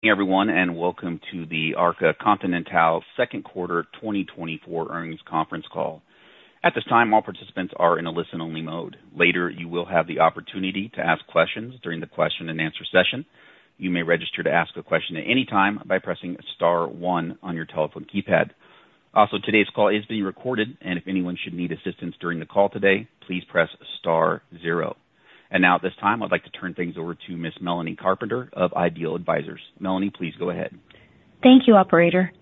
Good evening everyone, and welcome to the Arca Continental Q2 2024 earnings conference call. At this time, all participants are in a listen-only mode. Later, you will have the opportunity to ask questions during the question and answer session. You may register to ask a question at any time by pressing star one on your telephone keypad. Also, today's call is being recorded, and if anyone should need assistance during the call today, please press star zero. And now at this time, I'd like to turn things over to Ms. Melanie Carpenter of Ideal Advisors. Melanie, please go ahead. Thank you, operator.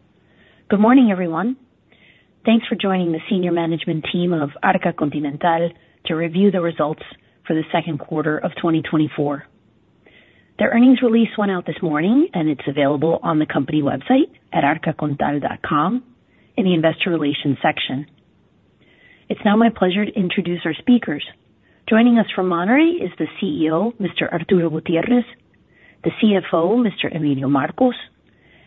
Good morning, everyone. Thanks for joining the senior management team of Arca Continental to review the results for the Q2 of 2024. The earnings release went out this morning, and it's available on the company website at arcacontinental.com in the investor relations section. It's now my pleasure to introduce our speakers. Joining us from Monterrey is the CEO, Mr. Arturo Gutiérrez, the CFO, Mr. Emilio Marcos,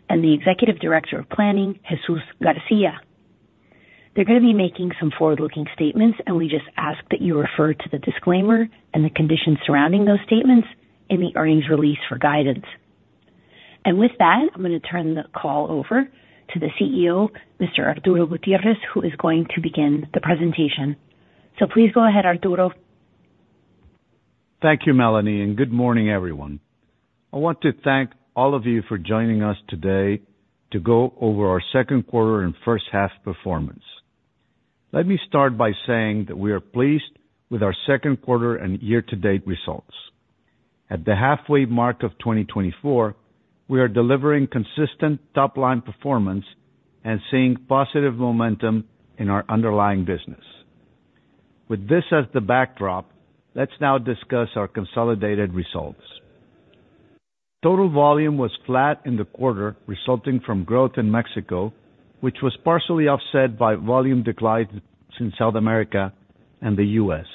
and the Executive Director of Planning, Jesús García. They're gonna be making some forward-looking statements, and we just ask that you refer to the disclaimer and the conditions surrounding those statements in the earnings release for guidance. And with that, I'm gonna turn the call over to the CEO, Mr. Arturo Gutiérrez, who is going to begin the presentation. Please go ahead, Arturo. Thank you, Melanie, and good morning, everyone. I want to thank all of you for joining us today to go over our Q2 and first half performance. Let me start by saying that we are pleased with our Q2 and year-to-date results. At the halfway mark of 2024, we are delivering consistent top-line performance and seeing positive momentum in our underlying business. With this as the backdrop, let's now discuss our consolidated results. Total volume was flat in the quarter, resulting from growth in Mexico, which was partially offset by volume declines in South America and the US.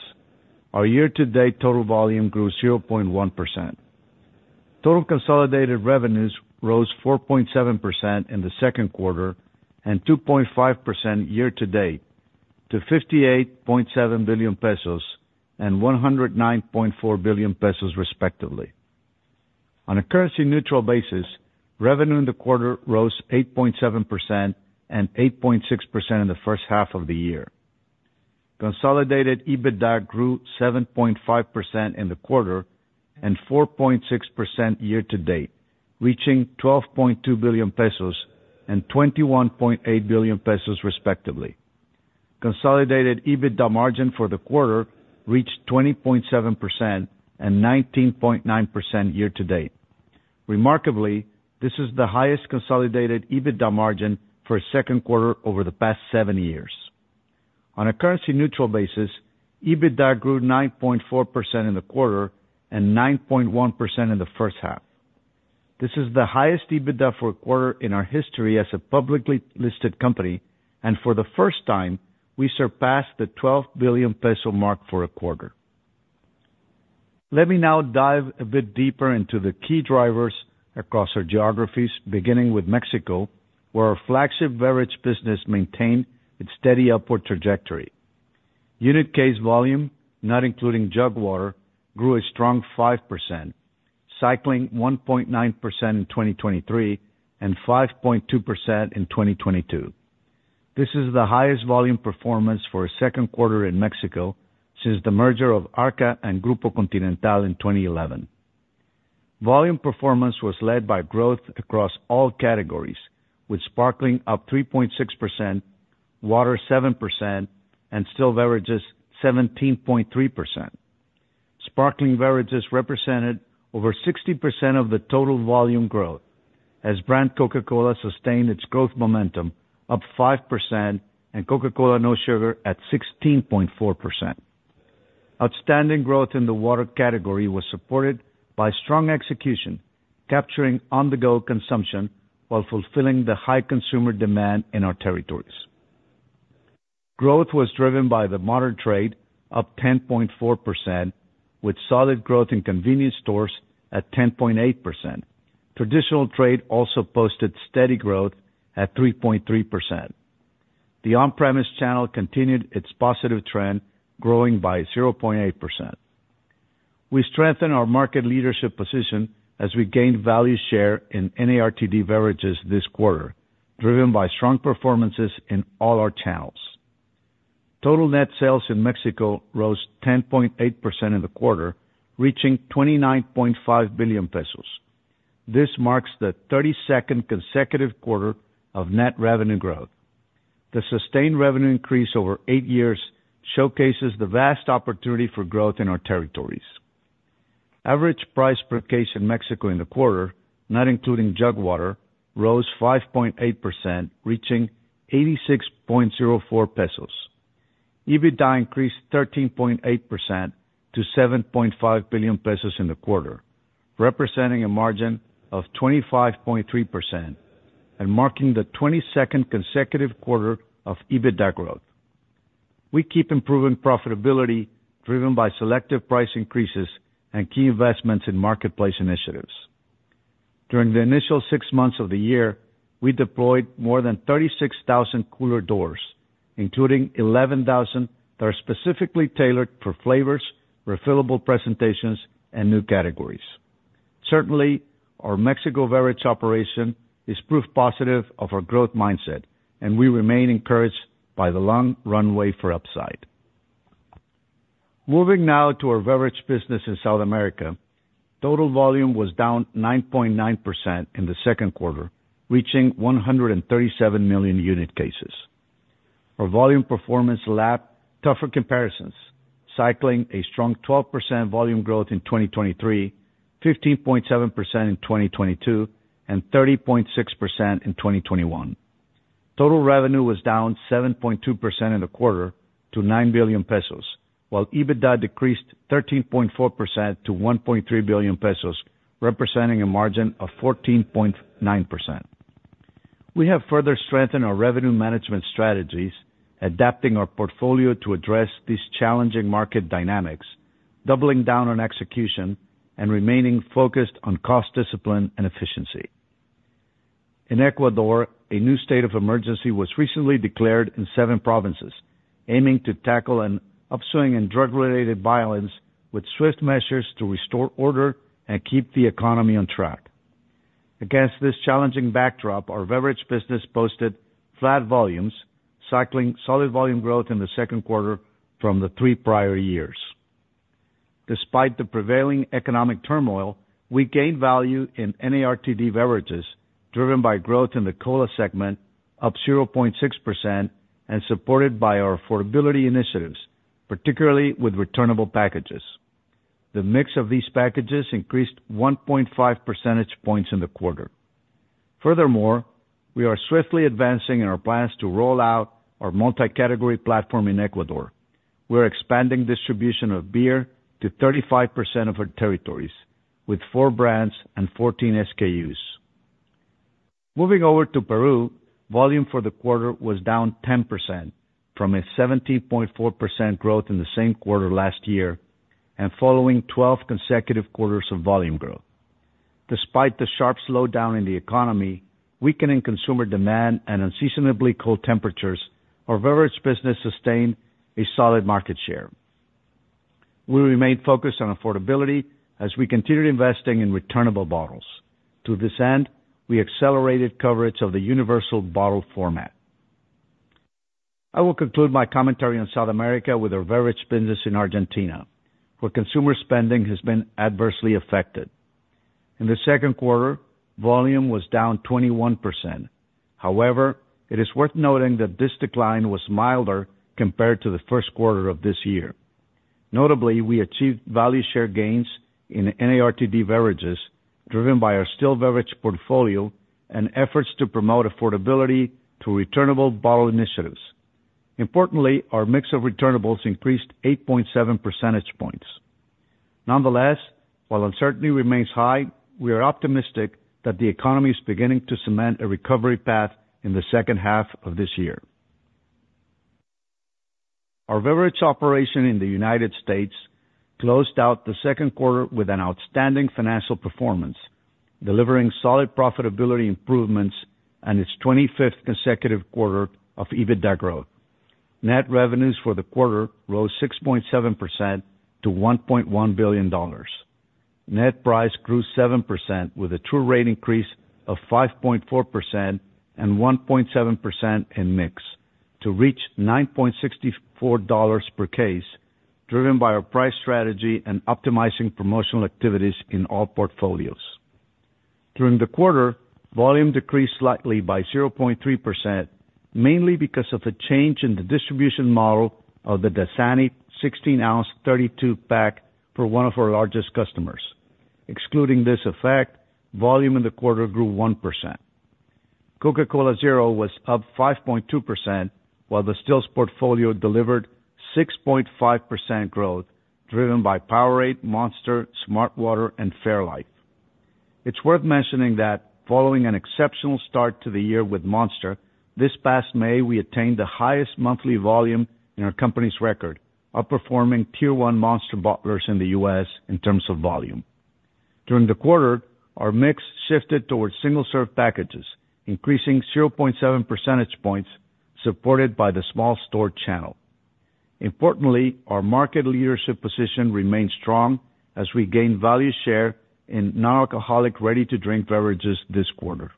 Our year-to-date total volume grew 0.1%. Total consolidated revenues rose 4.7% in the Q2 and 2.5% year-to-date to 58.7 billion pesos and 109.4 billion pesos, respectively. On a currency neutral basis, revenue in the quarter rose 8.7% and 8.6% in the first half of the year. Consolidated EBITDA grew 7.5% in the quarter and 4.6% year-to-date, reaching 12.2 billion pesos and 21.8 billion pesos, respectively. Consolidated EBITDA margin for the quarter reached 20.7% and 19.9% year-to-date. Remarkably, this is the highest consolidated EBITDA margin for a Q2 over the past seven years. On a currency neutral basis, EBITDA grew 9.4% in the quarter and 9.1% in the first half. This is the highest EBITDA for a quarter in our history as a publicly listed company, and for the first time, we surpassed the 12 billion peso mark for a quarter. Let me now dive a bit deeper into the key drivers across our geographies, beginning with Mexico, where our flagship beverage business maintained its steady upward trajectory. Unit case volume, not including jug water, grew a strong 5%, cycling 1.9% in 2023 and 5.2% in 2022. This is the highest volume performance for a Q2 in Mexico since the merger of Arca and Grupo Continental in 2011. Volume performance was led by growth across all categories, with sparkling up 3.6%, water 7%, and still beverages 17.3%. Sparkling beverages represented over 60% of the total volume growth as brand Coca-Cola sustained its growth momentum, up 5%, and Coca-Cola No Sugar at 16.4%. Outstanding growth in the water category was supported by strong execution, capturing on-the-go consumption while fulfilling the high consumer demand in our territories. Growth was driven by the modern trade, up 10.4%, with solid growth in convenience stores at 10.8%. Traditional trade also posted steady growth at 3.3%. The on-premise channel continued its positive trend, growing by 0.8%. We strengthened our market leadership position as we gained value share in NARTD beverages this quarter, driven by strong performances in all our channels. Total net sales in Mexico rose 10.8% in the quarter, reaching 29.5 billion pesos. This marks the 32nd consecutive quarter of net revenue growth. The sustained revenue increase over eight years showcases the vast opportunity for growth in our territories. Average price per case in Mexico in the quarter, not including jug water, rose 5.8%, reaching 86.04 pesos. EBITDA increased 13.8% to 7.5 billion pesos in the quarter, representing a margin of 25.3% and marking the 22nd consecutive quarter of EBITDA growth. We keep improving profitability, driven by selective price increases and key investments in marketplace initiatives. During the initial 6 months of the year, we deployed more than 36,000 cooler doors, including 11,000 that are specifically tailored for flavors, refillable presentations, and new categories. Certainly, our Mexico Beverage operation is proof positive of our growth mindset, and we remain encouraged by the long runway for upside. Moving now to our beverage business in South America. Total volume was down 9.9% in the Q2, reaching 137 million unit cases. Our volume performance lapped tougher comparisons, cycling a strong 12% volume growth in 2023, 15.7% in 2022, and 30.6% in 2021. Total revenue was down 7.2% in the quarter to 9 billion pesos, while EBITDA decreased 13.4% to 1.3 billion pesos, representing a margin of 14.9%. We have further strengthened our revenue management strategies, adapting our portfolio to address these challenging market dynamics, doubling down on execution, and remaining focused on cost discipline and efficiency. In Ecuador, a new state of emergency was recently declared in seven provinces, aiming to tackle an upswing in drug-related violence with swift measures to restore order and keep the economy on track. Against this challenging backdrop, our beverage business posted flat volumes, cycling solid volume growth in the Q2 from the three prior years. Despite the prevailing economic turmoil, we gained value in NARTD beverages, driven by growth in the cola segment, up 0.6%, and supported by our affordability initiatives, particularly with returnable packages. The mix of these packages increased 1.5 percentage points in the quarter. Furthermore, we are swiftly advancing in our plans to roll out our multi-category platform in Ecuador. We're expanding distribution of beer to 35% of our territories, with 4 brands and 14 SKUs. Moving over to Peru, volume for the quarter was down 10% from a 17.4% growth in the same quarter last year, and following 12 consecutive quarters of volume growth. Despite the sharp slowdown in the economy, weakening consumer demand, and unseasonably cold temperatures, our beverage business sustained a solid market share. We remain focused on affordability as we continued investing in returnable bottles. To this end, we accelerated coverage of the universal bottle format. I will conclude my commentary on South America with our beverage business in Argentina, where consumer spending has been adversely affected. In the Q2, volume was down 21%. However, it is worth noting that this decline was milder compared to the Q1 of this year. Notably, we achieved value share gains in NARTD beverages, driven by our still beverage portfolio and efforts to promote affordability through returnable bottle initiatives. Importantly, our mix of returnables increased 8.7 percentage points. Nonetheless, while uncertainty remains high, we are optimistic that the economy is beginning to cement a recovery path in the second half of this year. Our beverage operation in the United States closed out the Q2 with an outstanding financial performance, delivering solid profitability improvements and its 25th consecutive quarter of EBITDA growth. Net revenues for the quarter rose 6.7% to $1.1 billion. Net price grew 7%, with a true rate increase of 5.4% and 1.7% in mix to reach $9.64 per case, driven by our price strategy and optimizing promotional activities in all portfolios. During the quarter, volume decreased slightly by 0.3%, mainly because of a change in the distribution model of the Dasani 16 oz 32-pack for one of our largest customers. Excluding this effect, volume in the quarter grew 1%. Coca-Cola Zero was up 5.2%, while the Stills portfolio delivered 6.5% growth, driven by POWERADE, Monster, smartwater, and fairlife. It's worth mentioning that following an exceptional start to the year with Monster, this past May, we attained the highest monthly volume in our company's record, outperforming Tier One Monster bottlers in the U.S. in terms of volume. During the quarter, our mix shifted towards single-serve packages, increasing 0.7 percentage points, supported by the small store channel. Importantly, our market leadership position remains strong as we gain value share in non-alcoholic, ready-to-drink beverages this quarter.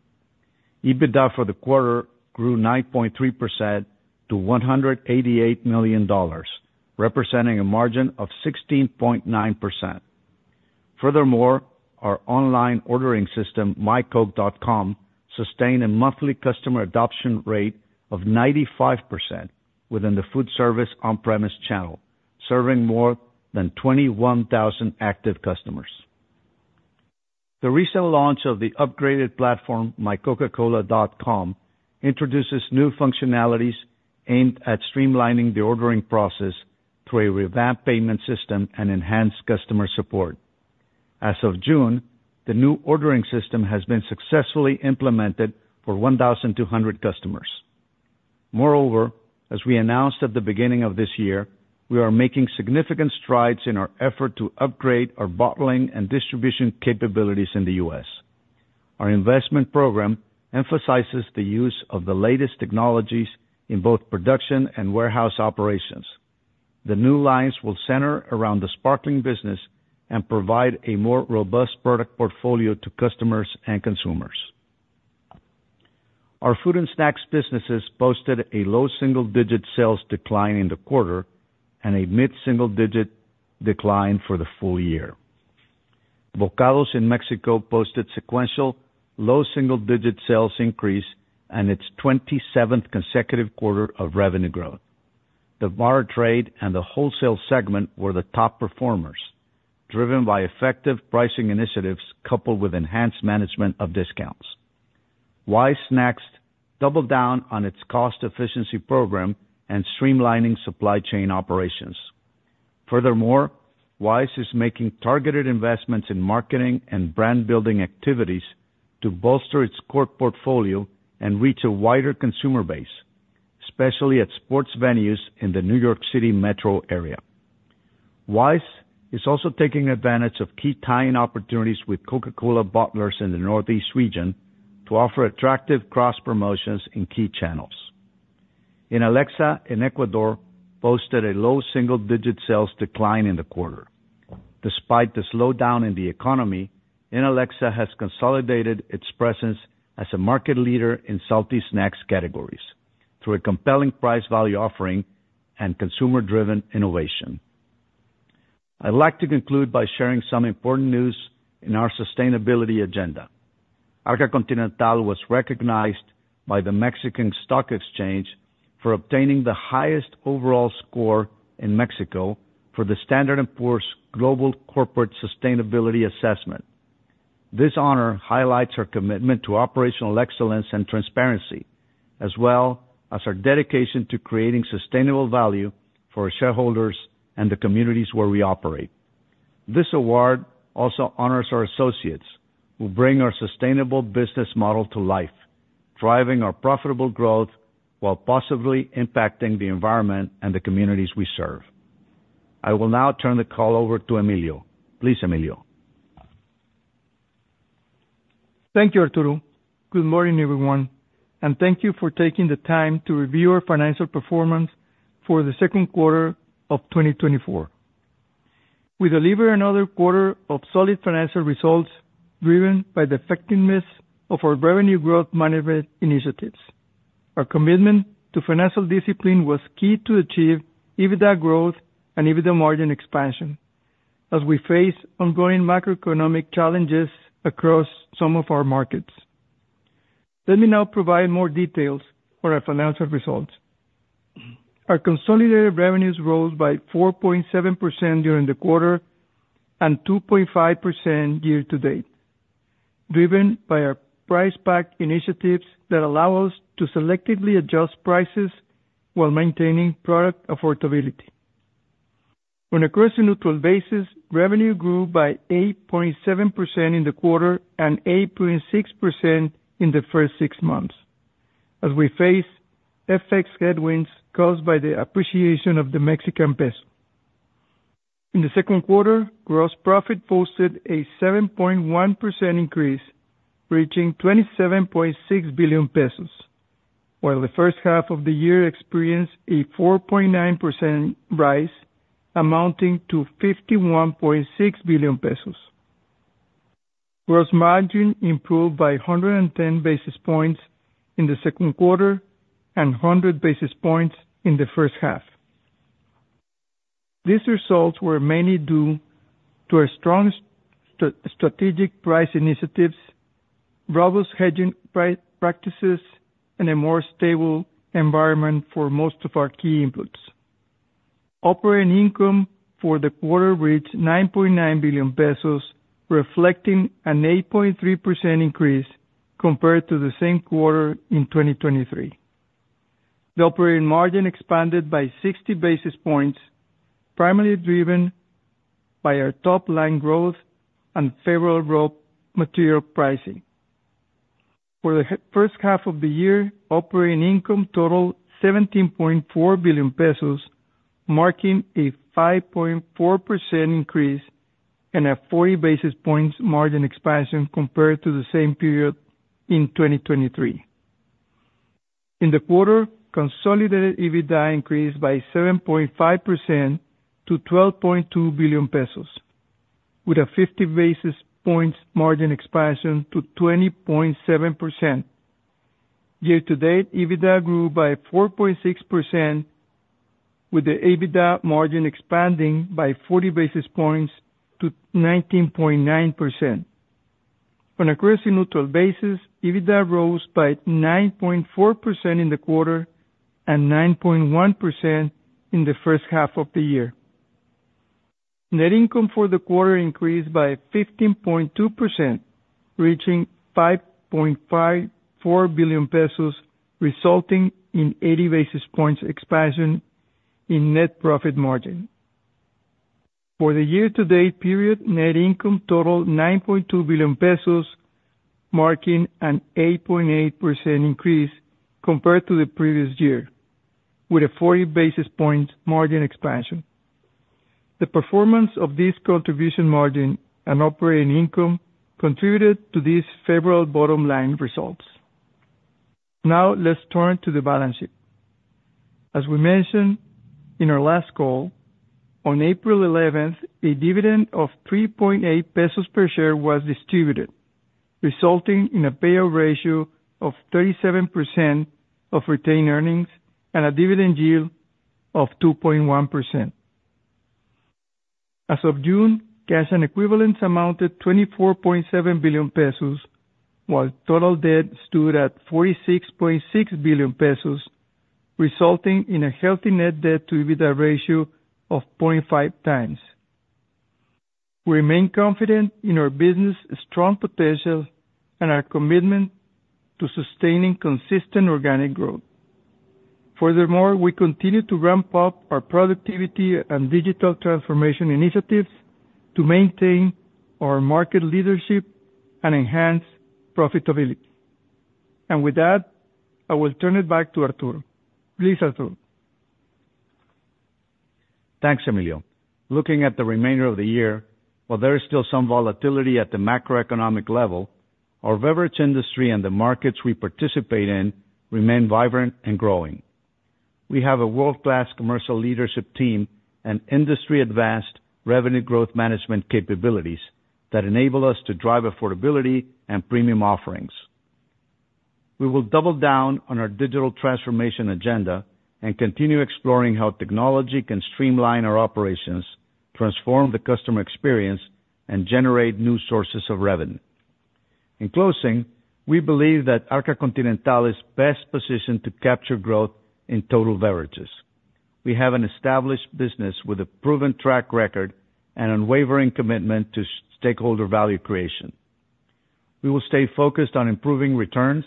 EBITDA for the quarter grew 9.3% to $188 million, representing a margin of 16.9%. Furthermore, our online ordering system, mycoke.com, sustained a monthly customer adoption rate of 95% within the food service on-premise channel, serving more than 21,000 active customers. The recent launch of the upgraded platform, mycoca-cola.com, introduces new functionalities aimed at streamlining the ordering process through a revamped payment system and enhanced customer support. As of June, the new ordering system has been successfully implemented for 1,200 customers. Moreover, as we announced at the beginning of this year, we are making significant strides in our effort to upgrade our bottling and distribution capabilities in the U.S. Our investment program emphasizes the use of the latest technologies in both production and warehouse operations. The new lines will center around the sparkling business and provide a more robust product portfolio to customers and consumers. Our food and snacks businesses posted a low single-digit sales decline in the quarter, and a mid-single digit decline for the full year. Bokados in Mexico posted sequential low single-digit sales increase and its twenty-seventh consecutive quarter of revenue growth. The bar trade and the wholesale segment were the top performers, driven by effective pricing initiatives coupled with enhanced management of discounts. Wise Snacks doubled down on its cost efficiency program and streamlining supply chain operations. Furthermore, Wise is making targeted investments in marketing and brand building activities to bolster its core portfolio and reach a wider consumer base, especially at sports venues in the New York City metro area. Wise is also taking advantage of key tie-in opportunities with Coca-Cola bottlers in the Northeast region, to offer attractive cross-promotions in key channels. Inalecsa in Ecuador posted a low single-digit sales decline in the quarter. Despite the slowdown in the economy, Inalecsa has consolidated its presence as a market leader in salty snacks categories through a compelling price value offering and consumer-driven innovation. I'd like to conclude by sharing some important news in our sustainability agenda. Arca Continental was recognized by the Mexican Stock Exchange for obtaining the highest overall score in Mexico for the S&P Global Corporate Sustainability Assessment. This honor highlights our commitment to operational excellence and transparency, as well as our dedication to creating sustainable value for our shareholders and the communities where we operate. This award also honors our associates, who bring our sustainable business model to life, driving our profitable growth while positively impacting the environment and the communities we serve. I will now turn the call over to Emilio. Please, Emilio. Thank you, Arturo. Good morning, everyone, and thank you for taking the time to review our financial performance for the Q2 of 2024. We delivered another quarter of solid financial results, driven by the effectiveness of our revenue growth management initiatives. Our commitment to financial discipline was key to achieve EBITDA growth and EBITDA margin expansion, as we face ongoing macroeconomic challenges across some of our markets. Let me now provide more details for our financial results. Our consolidated revenues rose by 4.7% during the quarter and 2.5% year-to-date, driven by our price pack initiatives that allow us to selectively adjust prices while maintaining product affordability. On a currency-neutral basis, revenue grew by 8.7% in the quarter and 8.6% in the first six months, as we face FX headwinds caused by the appreciation of the Mexican peso. In the Q2, gross profit posted a 7.1% increase, reaching 27.6 billion pesos, while the first half of the year experienced a 4.9% rise, amounting to 51.6 billion pesos. Gross margin improved by 110 basis points in the Q2 and 100 basis points in the first half. These results were mainly due to our strong strategic price initiatives, robust hedging price practices, and a more stable environment for most of our key inputs. Operating income for the quarter reached 9.9 billion pesos, reflecting an 8.3% increase compared to the same quarter in 2023. The operating margin expanded by 60 basis points, primarily driven by our top line growth and favorable raw material pricing. For the first half of the year, operating income totaled 17.4 billion pesos, marking a 5.4% increase and a 40 basis points margin expansion compared to the same period in 2023. In the quarter, consolidated EBITDA increased by 7.5% to 12.2 billion pesos, with a 50 basis points margin expansion to 20.7%. Year-to-date, EBITDA grew by 4.6%, with the EBITDA margin expanding by 40 basis points to 19.9%. On a currency neutral basis, EBITDA rose by 9.4% in the quarter and 9.1% in the first half of the year. Net income for the quarter increased by 15.2%, reaching 5.54 billion pesos, resulting in eighty basis points expansion in net profit margin. For the year-to-date period, net income totaled 9.2 billion pesos, marking an 8.8% increase compared to the previous year, with a forty basis points margin expansion. The performance of this contribution margin and operating income contributed to these favorable bottom line results. Now let's turn to the balance sheet. As we mentioned in our last call, on April eleventh, a dividend of 3.8 pesos per share was distributed, resulting in a payout ratio of 37% of retained earnings and a dividend yield of 2.1%. As of June, cash and equivalents amounted to 24.7 billion pesos, while total debt stood at 46.6 billion pesos, resulting in a healthy net debt to EBITDA ratio of 0.5 times. We remain confident in our business' strong potential and our commitment to sustaining consistent organic growth. Furthermore, we continue to ramp up our productivity and digital transformation initiatives to maintain our market leadership and enhance profitability. And with that, I will turn it back to Arturo. Please, Arturo. Thanks, Emilio. Looking at the remainder of the year, while there is still some volatility at the macroeconomic level, our beverage industry and the markets we participate in remain vibrant and growing. We have a world-class commercial leadership team and industry-advanced revenue growth management capabilities that enable us to drive affordability and premium offerings. We will double down on our digital transformation agenda and continue exploring how technology can streamline our operations, transform the customer experience, and generate new sources of revenue. In closing, we believe that Arca Continental is best positioned to capture growth in total beverages. We have an established business with a proven track record and unwavering commitment to stakeholder value creation. We will stay focused on improving returns,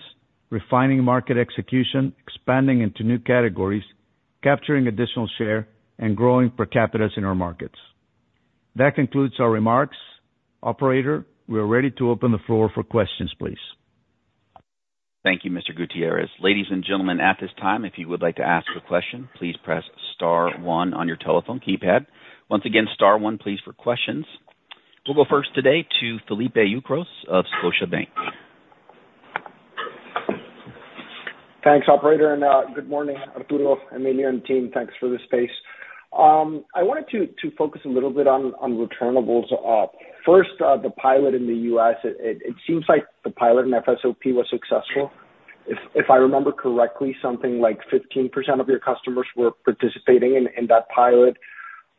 refining market execution, expanding into new categories, capturing additional share, and growing per capitas in our markets. That concludes our remarks. Operator, we are ready to open the floor for questions, please. Thank you, Mr. Gutiérrez. Ladies and gentlemen, at this time, if you would like to ask a question, please press star one on your telephone keypad. Once again, star one, please, for questions. We'll go first today to Felipe Ucros of Scotiabank. Thanks, operator, and good morning, Arturo, Emilio, and team. Thanks for the space. I wanted to focus a little bit on returnables. First, the pilot in the U.S. It seems like the pilot in FSOP was successful. If I remember correctly, something like 15% of your customers were participating in that pilot,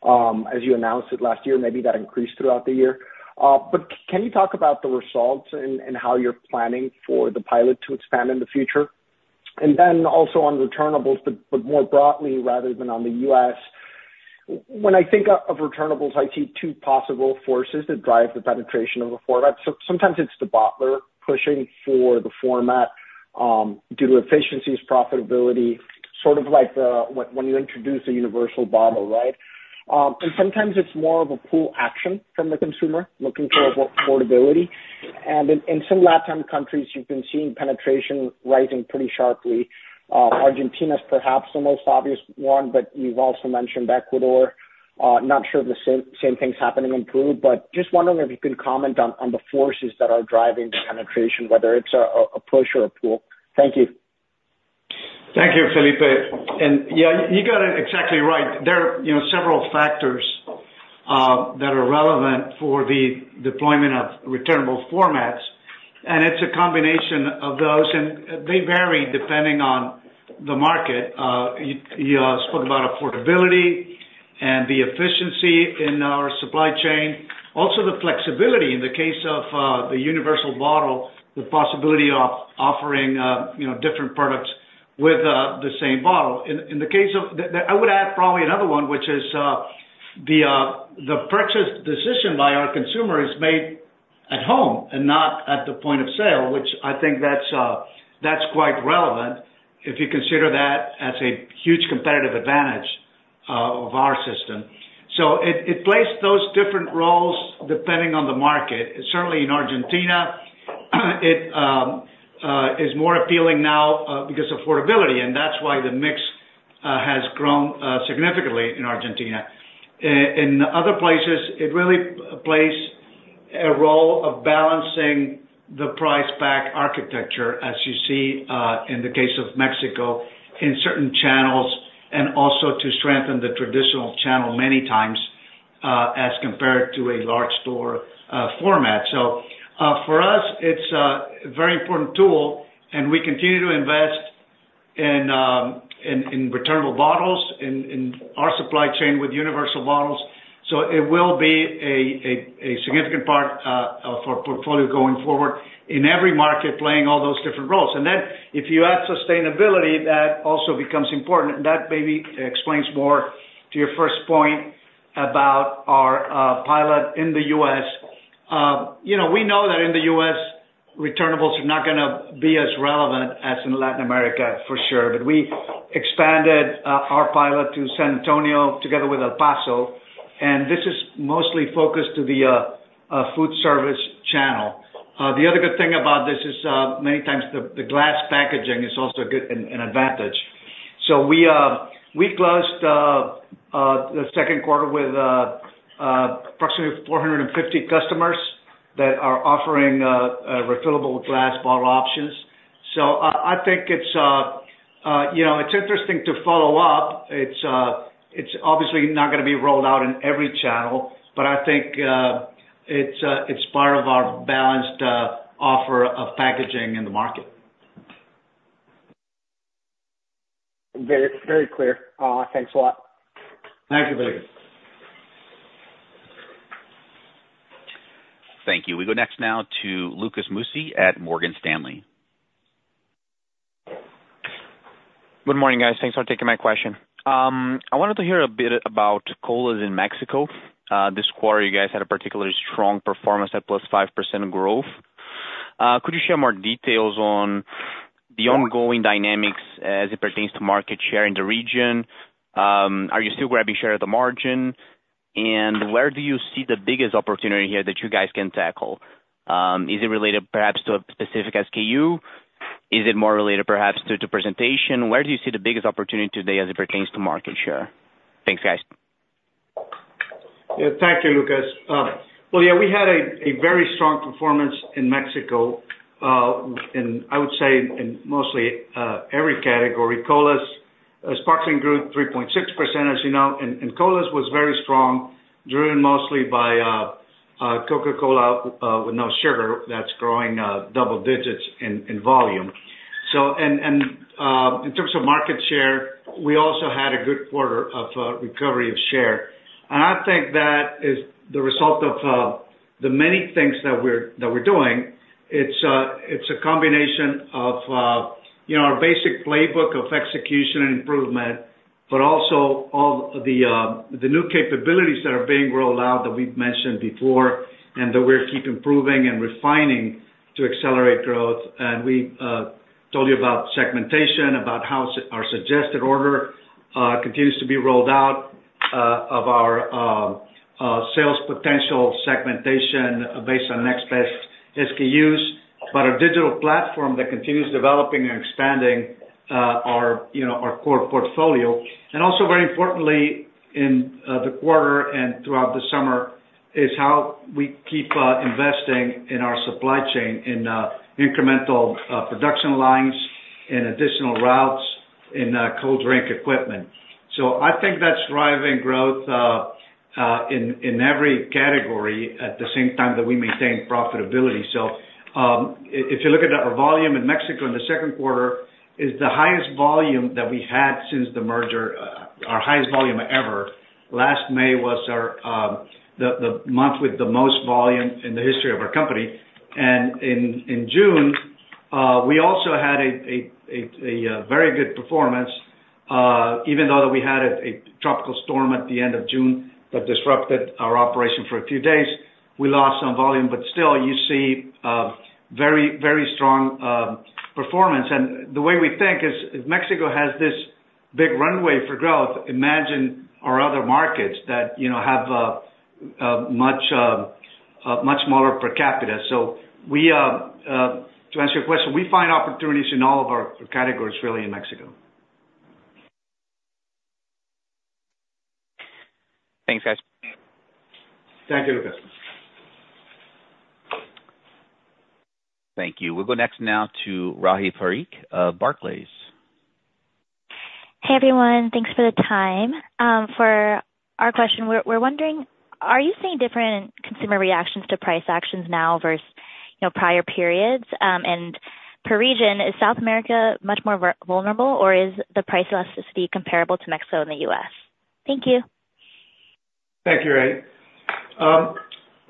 as you announced it last year, maybe that increased throughout the year. But can you talk about the results and how you're planning for the pilot to expand in the future? And then also on returnables, but more broadly rather than on the U.S., when I think of returnables, I see two possible forces that drive the penetration of the format. So sometimes it's the bottler pushing for the format, due to efficiencies, profitability, sort of like the... When you introduce a universal bottle, right? And sometimes it's more of a pull action from the consumer, looking for affordability. And in some Latin countries, you've been seeing penetration rising pretty sharply. Argentina's perhaps the most obvious one, but you've also mentioned Ecuador. Not sure the same thing's happening in Peru, but just wondering if you can comment on the forces that are driving the penetration, whether it's a push or a pull. Thank you. Thank you, Felipe. Yeah, you got it exactly right. There are, you know, several factors that are relevant for the deployment of returnable formats, and it's a combination of those, and they vary depending on the market. You spoke about affordability and the efficiency in our supply chain, also the flexibility in the case of the universal bottle, the possibility of offering, you know, different products with the same bottle. I would add probably another one, which is the purchase decision by our consumer is made at home and not at the point of sale, which I think that's quite relevant if you consider that as a huge competitive advantage of our system. So it plays those different roles depending on the market. Certainly in Argentina, it is more appealing now, because affordability, and that's why the mix has grown significantly in Argentina. In other places, it really plays a role of balancing the price pack architecture, as you see, in the case of Mexico, in certain channels, and also to strengthen the traditional channel many times, as compared to a large store format. So, for us, it's a very important tool, and we continue to invest in returnable bottles, in our supply chain with universal bottles. So it will be a significant part of our portfolio going forward in every market, playing all those different roles. And then, if you add sustainability, that also becomes important. And that maybe explains more to your first point about our pilot in the U.S. You know, we know that in the US, returnables are not gonna be as relevant as in Latin America for sure, but we expanded our pilot to San Antonio together with El Paso, and this is mostly focused to the food service channel. The other good thing about this is many times the glass packaging is also a good advantage. So we closed the Q2 with approximately 450 customers that are offering a refillable glass bottle options. So I think it's, you know, it's interesting to follow up. It's obviously not gonna be rolled out in every channel, but I think it's part of our balanced offer of packaging in the market. Very, very clear. Thanks a lot. Thank you very much. Thank you. We go next now to Lucas Mussi at Morgan Stanley. Good morning, guys. Thanks for taking my question. I wanted to hear a bit about colas in Mexico. This quarter, you guys had a particularly strong performance at +5% growth. Could you share more details on the ongoing dynamics as it pertains to market share in the region? Are you still grabbing share at the margin? And where do you see the biggest opportunity here that you guys can tackle? Is it related perhaps to a specific SKU? Is it more related perhaps to, to presentation? Where do you see the biggest opportunity today as it pertains to market share? Thanks, guys. Yeah. Thank you, Lucas. Well, yeah, we had a very strong performance in Mexico, in, I would say, in mostly every category. Colas, sparkling group, 3.6%, as you know, and colas was very strong, driven mostly by Coca-Cola with no sugar. That's growing double digits in volume. So, and in terms of market share, we also had a good quarter of recovery of share. And I think that is the result of the many things that we're doing. It's a combination of, you know, our basic playbook of execution and improvement, but also all the new capabilities that are being rolled out that we've mentioned before, and that we're keep improving and refining to accelerate growth. We told you about segmentation, about how our suggested order continues to be rolled out of our sales potential segmentation based on next best SKUs, but a digital platform that continues developing and expanding, you know, our core portfolio. And also, very importantly, in the quarter and throughout the summer, is how we keep investing in our supply chain in incremental production lines and additional routes in cold drink equipment. So I think that's driving growth in every category at the same time that we maintain profitability. So, if you look at our volume in Mexico in the Q2, is the highest volume that we had since the merger, our highest volume ever. Last May was our, the month with the most volume in the history of our company. And in June, we also had a very good performance, even though we had a tropical storm at the end of June that disrupted our operation for a few days. We lost some volume, but still you see, very, very strong performance. And the way we think is, if Mexico has this big runway for growth, imagine our other markets that, you know, have much smaller per capita. So, to answer your question, we find opportunities in all of our categories, really, in Mexico. Thanks, guys. Thank you, Lucas. Thank you. We'll go next now to Rahi Parikh of Barclays. Hey, everyone. Thanks for the time. For our question, we're wondering, are you seeing different consumer reactions to price actions now versus, you know, prior periods? And per region, is South America much more vulnerable, or is the price elasticity comparable to Mexico and the US? Thank you. Thank you, Rahi.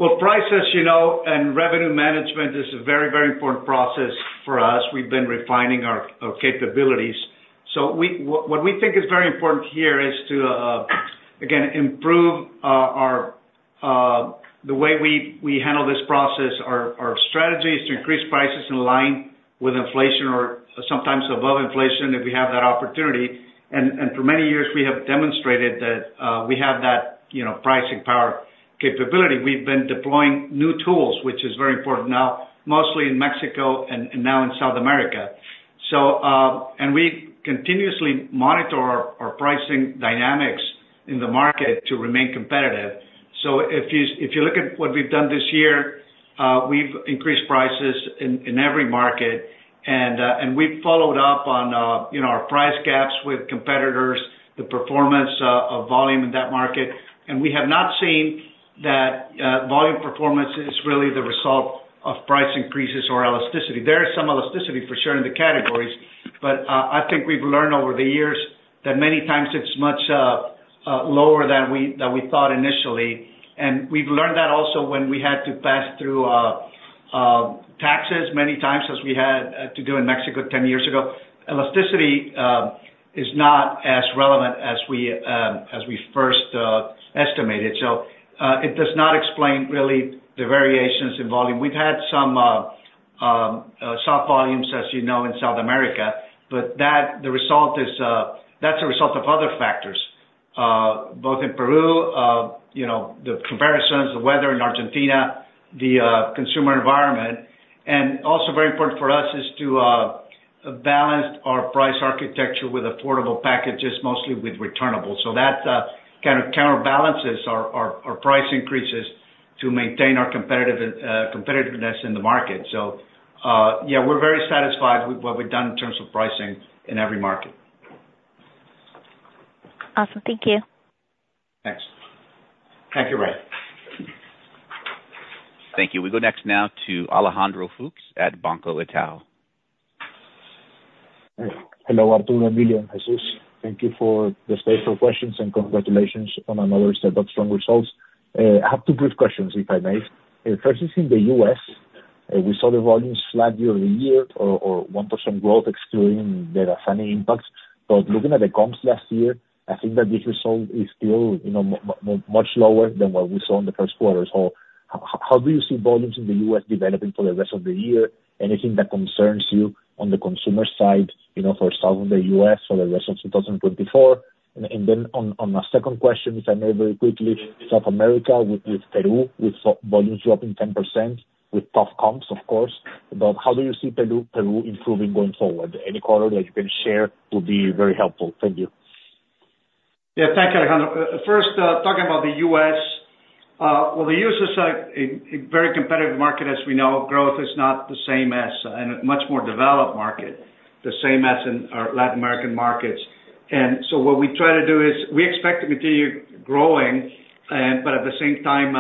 Well, prices, you know, and revenue management is a very, very important process for us. We've been refining our capabilities. So what we think is very important here is to, again, improve the way we handle this process. Our strategy is to increase prices in line with inflation or sometimes above inflation, if we have that opportunity. And for many years, we have demonstrated that we have that, you know, pricing power capability. We've been deploying new tools, which is very important now, mostly in Mexico and now in South America. And we continuously monitor our pricing dynamics in the market to remain competitive. So if you look at what we've done this year, we've increased prices in every market, and we've followed up on, you know, our price gaps with competitors, the performance of volume in that market. And we have not seen that volume performance is really the result of price increases or elasticity. There is some elasticity for sure in the categories, but I think we've learned over the years that many times it's much lower than we thought initially. And we've learned that also when we had to pass through taxes many times, as we had to do in Mexico 10 years ago. Elasticity is not as relevant as we first estimated. So it does not explain really the variations in volume. We've had some... Soft volumes, as you know, in South America, but that, the result is, that's a result of other factors, both in Peru, you know, the comparisons, the weather in Argentina, the consumer environment, and also very important for us is to balance our price architecture with affordable packages, mostly with returnables. So that kind of counterbalances our price increases to maintain our competitive competitiveness in the market. So, yeah, we're very satisfied with what we've done in terms of pricing in every market. Awesome. Thank you. Thanks. Thank you, Ray. Thank you. We go next now to Alejandro Fuchs at Banco Itaú. Hello, Arturo, Emilio, Jesús. Thank you for the space for questions, and congratulations on another set of strong results. I have two brief questions, if I may. First is in the U.S., we saw the volumes flat year-over-year or 1% growth excluding the REFANI impacts. But looking at the comps last year, I think that this result is still, you know, much lower than what we saw in the Q1. So how do you see volumes in the U.S. developing for the rest of the year? Anything that concerns you on the consumer side, you know, for south of the U.S. for the rest of 2024? Then on my second question, if I may, very quickly, South America, with Peru, with volumes dropping 10%, with tough comps, of course, but how do you see Peru improving going forward? Any color that you can share would be very helpful. Thank you. Yeah, thank you, Alejandro. First, talking about the U.S. well, the U.S.is a very competitive market, as we know. Growth is not the same as in a much more developed market, the same as in our Latin American markets. And so what we try to do is we expect to continue growing, and, but at the same time,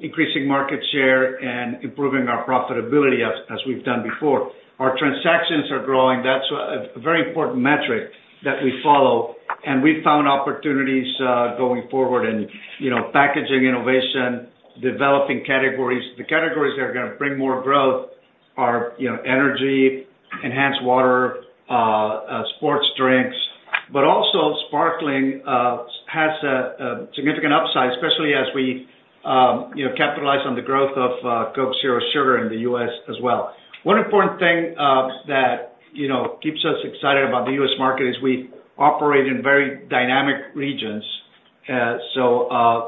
increasing market share and improving our profitability as we've done before. Our transactions are growing. That's a very important metric that we follow, and we've found opportunities going forward and, you know, packaging innovation, developing categories. The categories that are gonna bring more growth are, you know, energy, enhanced water, sports drinks, but also sparkling has a significant upside, especially as we, you know, capitalize on the growth of Coke Zero Sugar in the U.S. as well. One important thing, that, you know, keeps us excited about the U.S. market is we operate in very dynamic regions, so,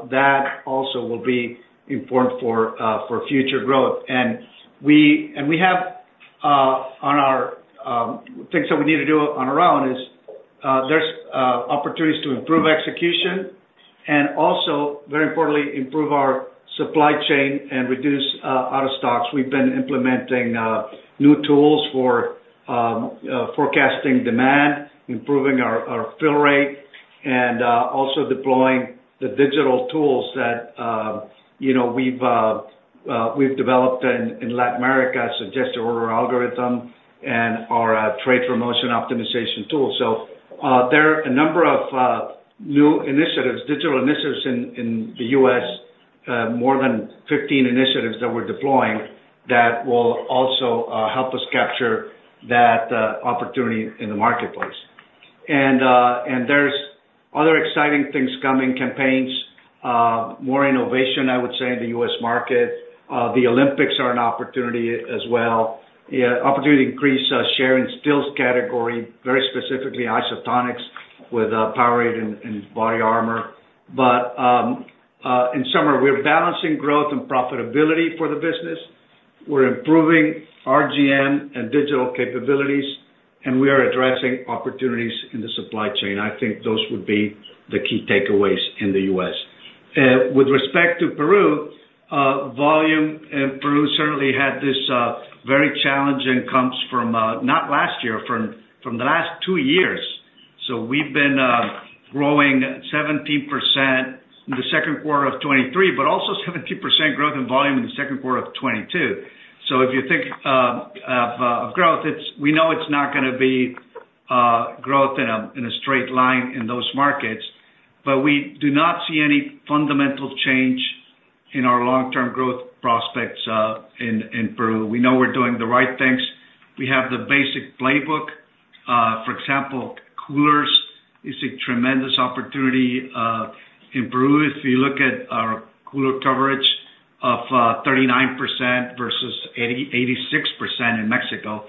that also will be important for, for future growth. And we have, on our things that we need to do on our own is, there's opportunities to improve execution and also, very importantly, improve our supply chain and reduce out of stocks. We've been implementing new tools for forecasting demand, improving our fill rate, and also deploying the digital tools that, you know, we've developed in Latin America, suggested order algorithm and our trade promotion optimization tool. So, there are a number of new initiatives, digital initiatives in the U.S., more than 15 initiatives that we're deploying that will also help us capture that opportunity in the marketplace. And there's other exciting things coming, campaigns, more innovation, I would say, in the U.S. market. The Olympics are an opportunity as well. Yeah, opportunity to increase share in stills category, very specifically isotonics with POWERADE and BODYARMOR. But in summer, we're balancing growth and profitability for the business. We're improving RGM and digital capabilities, and we are addressing opportunities in the supply chain. I think those would be the key takeaways in the U.S. With respect to Peru, volume, Peru certainly had this very challenging comps from not last year, from the last two years. So we've been growing 17% in the Q2 of 2023, but also 17% growth in volume in the Q2 of 2022. So if you think of growth, it's. We know it's not gonna be growth in a straight line in those markets, but we do not see any fundamental change in our long-term growth prospects in Peru. We know we're doing the right things. We have the basic playbook. For example, coolers is a tremendous opportunity in Peru. If you look at our cooler coverage of 39% versus 86% in Mexico,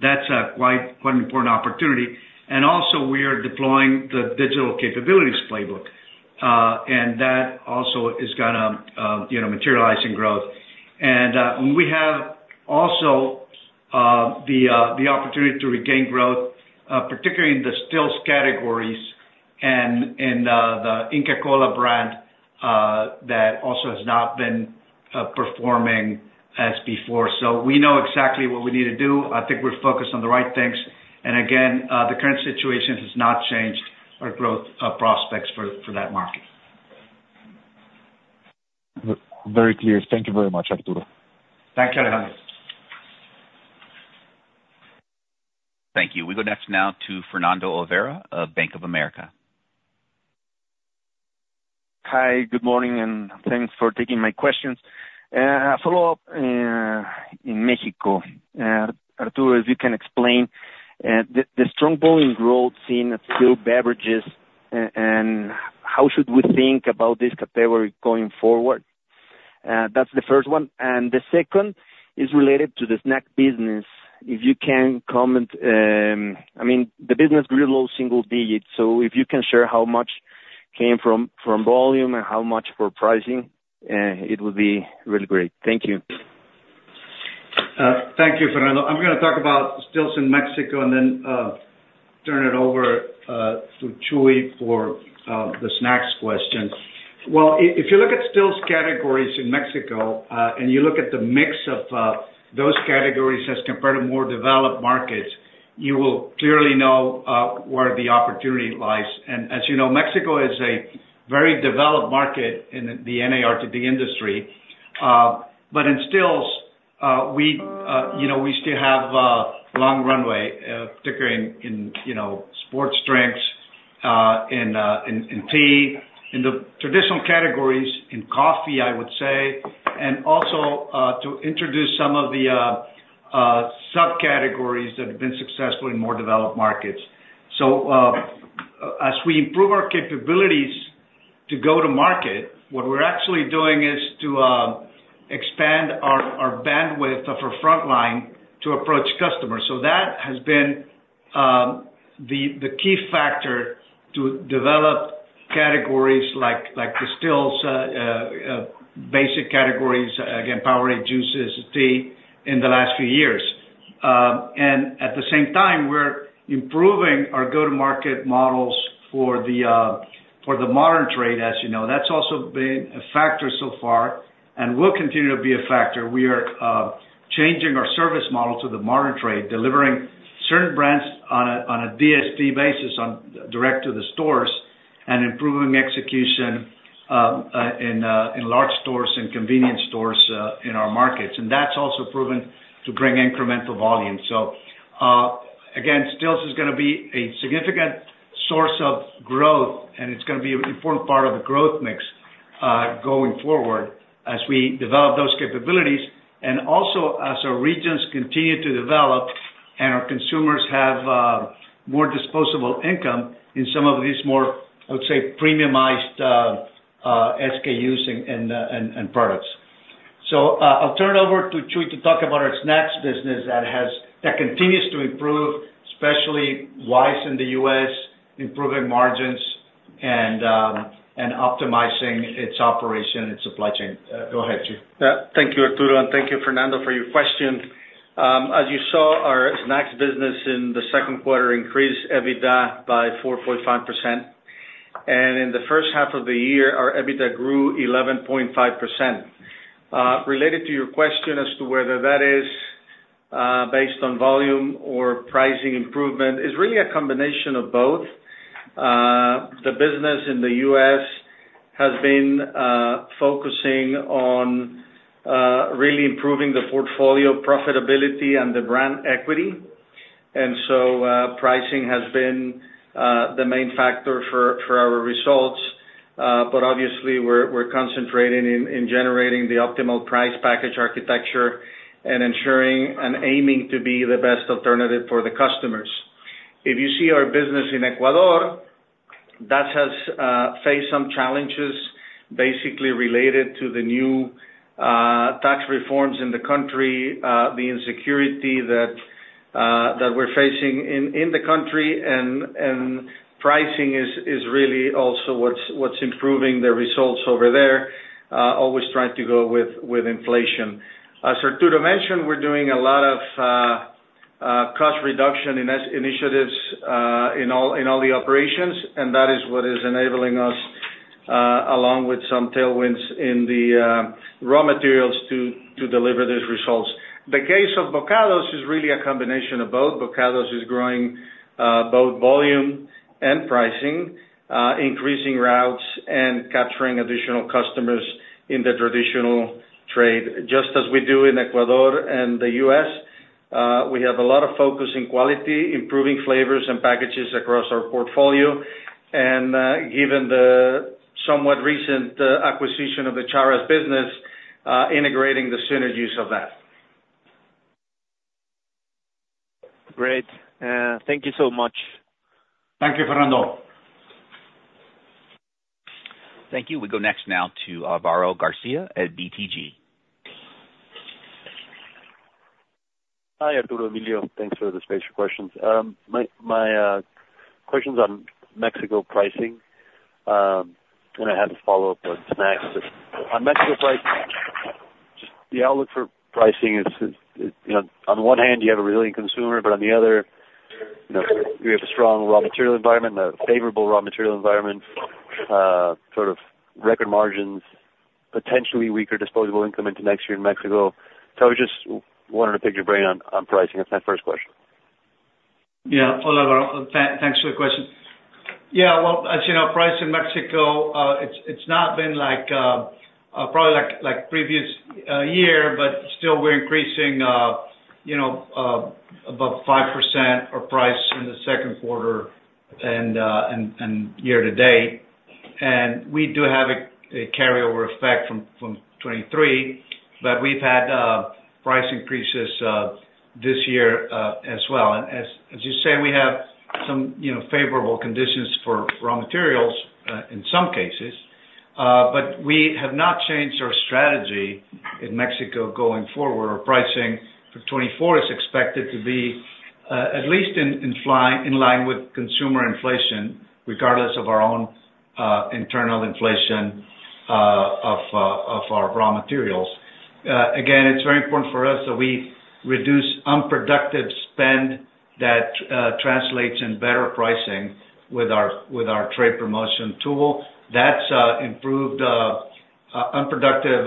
that's a quite, quite an important opportunity. And also we are deploying the digital capabilities playbook, and that also is gonna, you know, materialize in growth. We have also the opportunity to regain growth, particularly in the stills categories and in the Inca Kola brand, that also has not been performing as before. So we know exactly what we need to do. I think we're focused on the right things, and again, the current situation has not changed our growth prospects for that market. Very clear. Thank you very much, Arturo. Thanks, Alejandro. Thank you. We go next now to Fernando Olvera of Bank of America. Hi, good morning, and thanks for taking my questions. A follow-up in Mexico. Arturo, the strong volume growth seen at still beverages and how should we think about this category going forward? That's the first one. The second is related to the snack business. If you can comment, I mean, the business grew low single digits, so if you can share how much came from volume and how much from pricing, it would be really great. Thank you. Thank you, Fernando. I'm gonna talk about stills in Mexico, and then turn it over to Chuy for the snacks question. Well, if you look at stills categories in Mexico, and you look at the mix of those categories as compared to more developed markets, you will clearly know where the opportunity lies. And as you know, Mexico is a very developed market in the NARTD industry. But in stills, we, you know, we still have long runway, particularly in, you know, sports drinks, in tea, in the traditional categories, in coffee, I would say. And also to introduce some of the subcategories that have been successful in more developed markets. So, as we improve our capabilities to go to market, what we're actually doing is to expand our bandwidth of our frontline to approach customers. So that has been the key factor to develop categories like the stills, basic categories, again, power juices, tea, in the last few years. And at the same time, we're improving our go-to-market models for the modern trade, as you know. That's also been a factor so far and will continue to be a factor. We are changing our service model to the modern trade, delivering certain brands on a DSD basis, direct to the stores, and improving execution in large stores and convenience stores in our markets. And that's also proven to bring incremental volume. So, again, stills is gonna be a significant source of growth, and it's gonna be an important part of the growth mix, going forward as we develop those capabilities and also as our regions continue to develop and our consumers have more disposable income in some of these more, I would say, premiumized SKUs and products. So, I'll turn it over to Chuy to talk about our snacks business that continues to improve, especially Wise in the U.S., improving margins and optimizing its operation and supply chain. Go ahead, Chuy. Yeah. Thank you, Arturo, and thank you, Fernando, for your question. As you saw, our snacks business in the Q2 increased EBITDA by 4.5%, and in the first half of the year, our EBITDA grew 11.5%. Related to your question as to whether that is based on volume or pricing improvement, is really a combination of both. The business in the U.S. has been focusing on really improving the portfolio profitability and the brand equity, and so pricing has been the main factor for our results. But obviously, we're concentrating in generating the optimal Price Pack Architecture and ensuring and aiming to be the best alternative for the customers. If you see our business in Ecuador, that has faced some challenges, basically related to the new tax reforms in the country, the insecurity that we're facing in the country, and pricing is really also what's improving the results over there, always trying to go with inflation. As Arturo mentioned, we're doing a lot of cost reduction initiatives in all the operations, and that is what is enabling us, along with some tailwinds in the raw materials, to deliver these results. The case of Bokados is really a combination of both. Bokados is growing both volume and pricing, increasing routes and capturing additional customers in the traditional trade. Just as we do in Ecuador and the U.S., we have a lot of focus in quality, improving flavors and packages across our portfolio, and, given the somewhat recent acquisition of the Charras business, integrating the synergies of that. Great. Thank you so much. Thank you, Fernando. Thank you. We go next now to, Álvaro García at BTG. Hi, Arturo, Emilio. Thanks for the space for questions. My question's on Mexico pricing, and I have a follow-up on snacks. But on Mexico pricing, just the outlook for pricing is, you know, on one hand, you have a resilient consumer, but on the other, you know, you have a strong raw material environment, a favorable raw material environment, sort of record margins, potentially weaker disposable income into next year in Mexico. So I just wanted to pick your brain on pricing. That's my first question. Yeah. Álvaro, thanks for the question. Yeah, well, as you know, price in Mexico, it's not been like, probably like previous year, but still we're increasing, you know, above 5% our price the Q2 and year to date, and we do have a carryover effect from 2023. But we've had price increases this year as well. And as you say, we have some, you know, favorable conditions for raw materials in some cases, but we have not changed our strategy in Mexico going forward. Our pricing for 2024 is expected to be at least in line with consumer inflation, regardless of our own internal inflation of our raw materials. Again, it's very important for us that we reduce unproductive spend that translates in better pricing with our, with our trade promotion tool. That's improved unproductive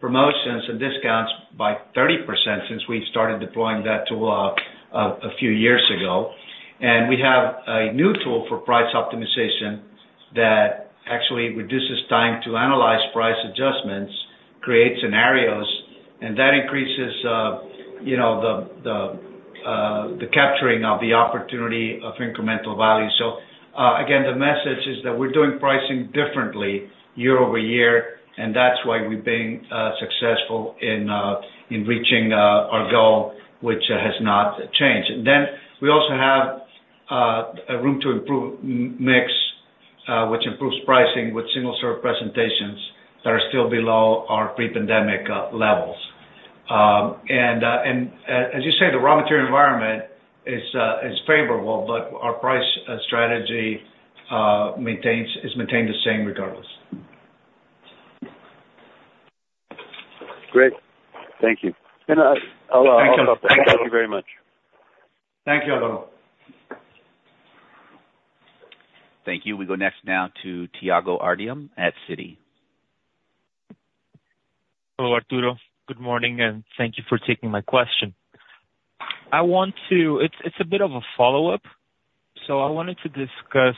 promotions and discounts by 30% since we started deploying that tool a few years ago. And we have a new tool for price optimization that actually reduces time to analyze price adjustments, create scenarios, and that increases, you know, the capturing of the opportunity of incremental value. So, again, the message is that we're doing pricing differently year over year, and that's why we've been successful in reaching our goal, which has not changed. Then, we also have a room to improve mix, which improves pricing with single serve presentations that are still below our pre-pandemic levels. And as you say, the raw material environment is favorable, but our price strategy maintains, is maintained the same regardless. Great. Thank you. I'll hop off. Thank you very much. Thank you, Álvaro. Thank you. We go next now to Thiago Bortoluci at Citi. Hello, Arturo. Good morning, and thank you for taking my question. I want to... It's, it's a bit of a follow-up, so I wanted to discuss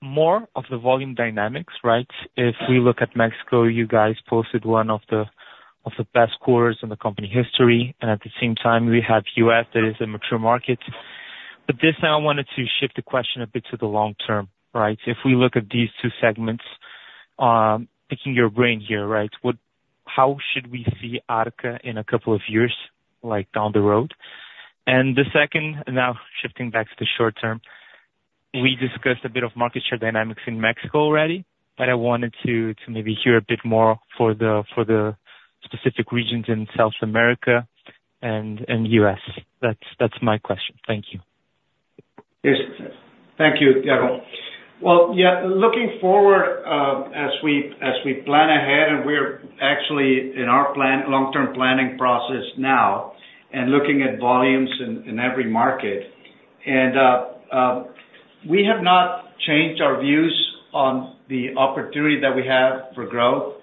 more of the volume dynamics, right? If we look at Mexico, you guys posted one of the, of the best quarters in the company history, and at the same time, we have U.S., that is a mature market. But this time, I wanted to shift the question a bit to the long term, right? If we look at these two segments, picking your brain here, right, how should we see Arca in a couple of years, like, down the road? The second, now shifting back to the short term, we discussed a bit of market share dynamics in Mexico already, but I wanted to, to maybe hear a bit more for the, for the specific regions in South America and, and U.S. That's, that's my question. Thank you. Yes. Thank you, Thiago. Well, yeah, looking forward, as we plan ahead, and we're actually in our long-term planning process now and looking at volumes in every market, and we have not changed our views on the opportunity that we have for growth,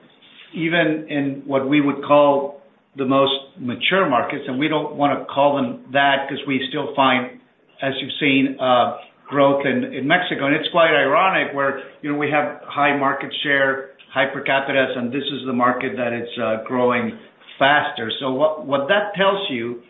even in what we would call the most mature markets, and we don't wanna call them that because we still find, as you've seen, growth in Mexico. And it's quite ironic where, you know, we have high market share, high per capita, and this is the market that it's growing faster. So what that tells you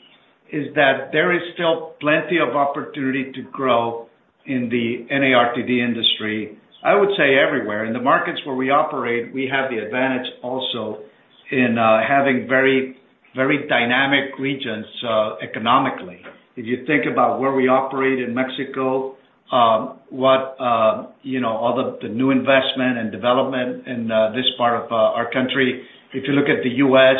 is that there is still plenty of opportunity to grow in the NARTD industry. I would say everywhere. In the markets where we operate, we have the advantage also in having very, very dynamic regions, economically. If you think about where we operate in Mexico, you know, all the new investment and development in this part of our country. If you look at the U.S,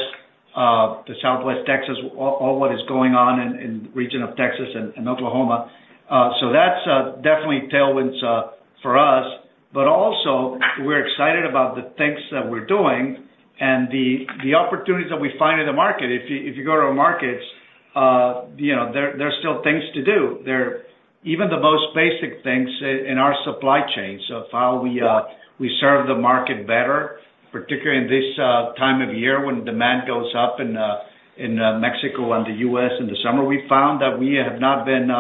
the Southwest Texas, all what is going on in region of Texas and Oklahoma. So that's definitely tailwinds for us. But also, we're excited about the things that we're doing and the opportunities that we find in the market. If you go to our markets, you know, there are still things to do. Even the most basic things in our supply chain. So how we serve the market better, particularly in this time of year when demand goes up in Mexico and the U.S. in the summer, we found that we have not been,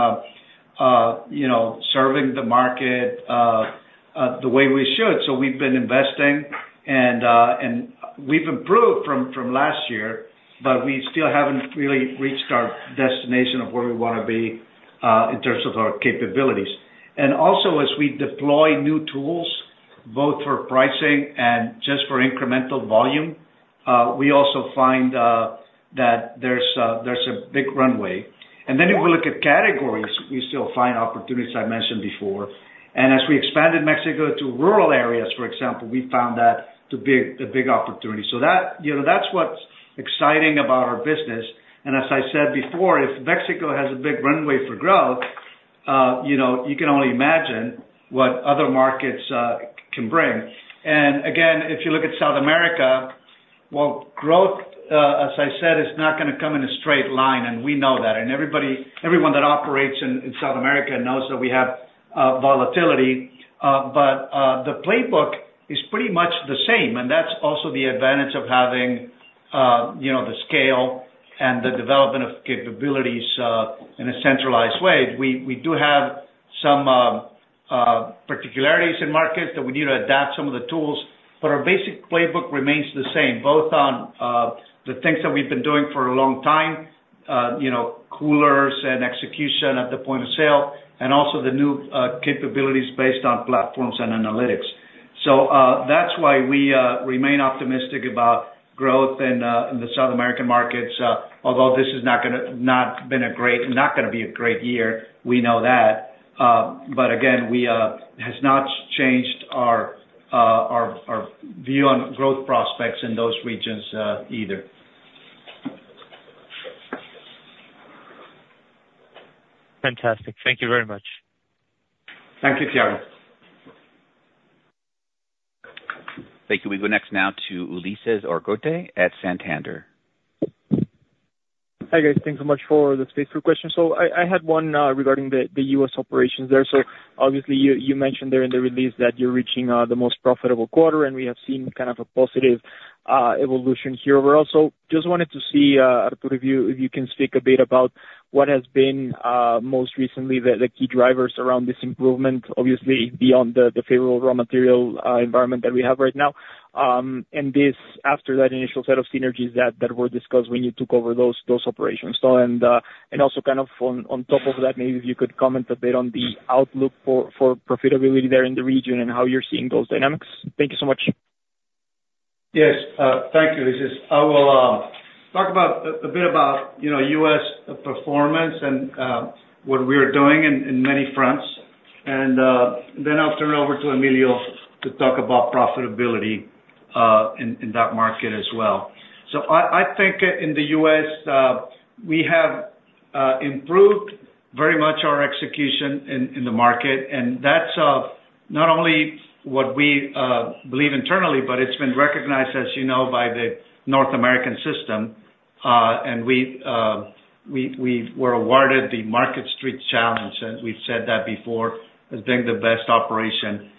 you know, serving the market the way we should. So we've been investing and we've improved from last year, but we still haven't really reached our destination of where we wanna be in terms of our capabilities. And also, as we deploy new tools, both for pricing and just for incremental volume, we also find that there's a big runway. And then if we look at categories, we still find opportunities, I mentioned before. And as we expanded Mexico to rural areas, for example, we found that the big opportunity. So that, you know, that's what's exciting about our business. And as I said before, if Mexico has a big runway for growth, you know, you can only imagine what other markets can bring. And again, if you look at South America, well, growth, as I said, is not gonna come in a straight line, and we know that. And everybody, everyone that operates in South America knows that we have volatility, but the playbook is pretty much the same, and that's also the advantage of having, you know, the scale and the development of capabilities in a centralized way. We do have some... particularities in markets that we need to adapt some of the tools, but our basic playbook remains the same, both on, the things that we've been doing for a long time, you know, coolers and execution at the point of sale, and also the new, capabilities based on platforms and analytics. So, that's why we, remain optimistic about growth in, in the South American markets, although this is not gonna be a great year, we know that. But again, we, has not changed our, our, our view on growth prospects in those regions, either. Fantastic. Thank you very much. Thank you, Thiago. Thank you. We go next now to Ulises Argote at Santander. Hi, guys. Thanks so much for the space for questions. So I had one regarding the U.S. operations there. So obviously, you mentioned there in the release that you're reaching the most profitable quarter, and we have seen kind of a positive evolution here. But also just wanted to see, Arturo, if you can speak a bit about what has been most recently the key drivers around this improvement, obviously, beyond the favorable raw material environment that we have right now, and this after that initial set of synergies that were discussed when you took over those operations. So, and also kind of on top of that, maybe if you could comment a bit on the outlook for profitability there in the region and how you're seeing those dynamics. Thank you so much. Yes, thank you, Ulises. I will talk about a bit about, you know, U.S. performance and what we are doing in many fronts. Then I'll turn it over to Emilio to talk about profitability in that market as well. So I think in the U.S. we have improved very much our execution in the market, and that's not only what we believe internally, but it's been recognized, as you know, by the North American system. And we were awarded the Market Street Challenge, and we've said that before, as being the best operation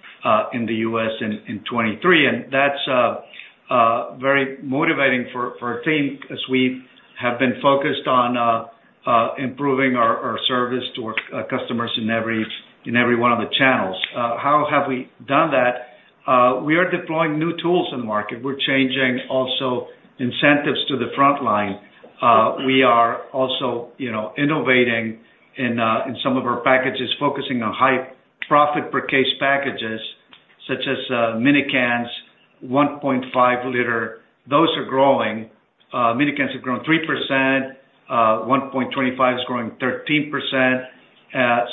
in the U.S. in 2023. That's very motivating for our team, as we have been focused on improving our service to our customers in every one of the channels. How have we done that? We are deploying new tools in the market. We're changing also incentives to the frontline. We are also, you know, innovating in some of our packages, focusing on high profit per case packages, such as mini cans, 1.5 liter. Those are growing. Mini cans have grown 3%, 1.25 is growing 13%.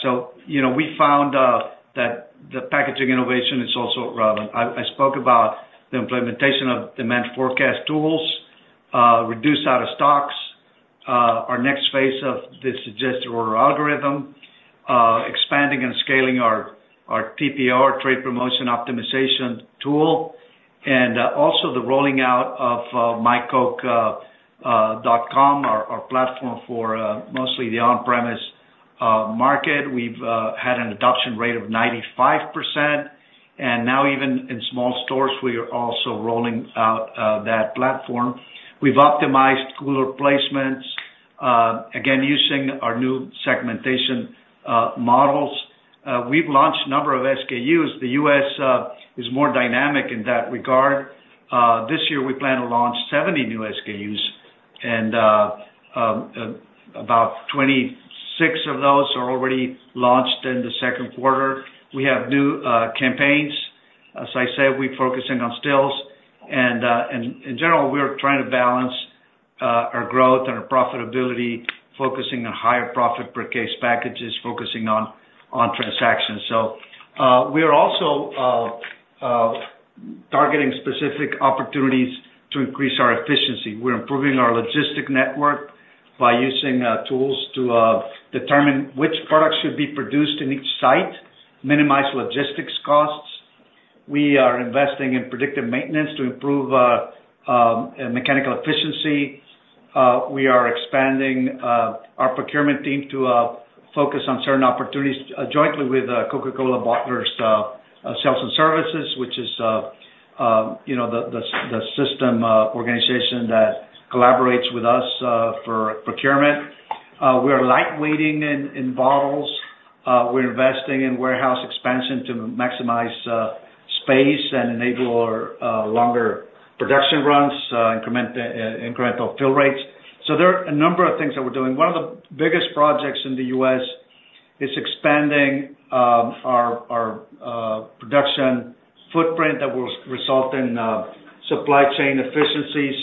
So, you know, we found that the packaging innovation is also relevant. I spoke about the implementation of demand forecast tools, reduce out-of-stocks, our next phase of the suggested order algorithm, expanding and scaling our TPR, Trade Promotion Optimization tool, and also the rolling out of mycoke.com, our platform for mostly the on-premise market. We've had an adoption rate of 95%, and now even in small stores, we are also rolling out that platform. We've optimized cooler placements, again, using our new segmentation models. We've launched a number of SKUs. The U.S. is more dynamic in that regard. This year, we plan to launch 70 new SKUs, and about 26 of those are already launched in the Q2. We have new campaigns. As I said, we're focusing on stills and, in general, we are trying to balance our growth and our profitability, focusing on higher profit per case packages, focusing on transactions. So, we are also targeting specific opportunities to increase our efficiency. We're improving our logistics network by using tools to determine which products should be produced in each site, minimize logistics costs. We are investing in predictive maintenance to improve mechanical efficiency. We are expanding our procurement team to focus on certain opportunities jointly with Coca-Cola Bottlers Sales and Services, which is, you know, the system organization that collaborates with us for procurement. We are lightweighting in bottles. We're investing in warehouse expansion to maximize space and enable our longer production runs, incremental fill rates. So there are a number of things that we're doing. One of the biggest projects in the U.S. is expanding our production footprint that will result in supply chain efficiencies.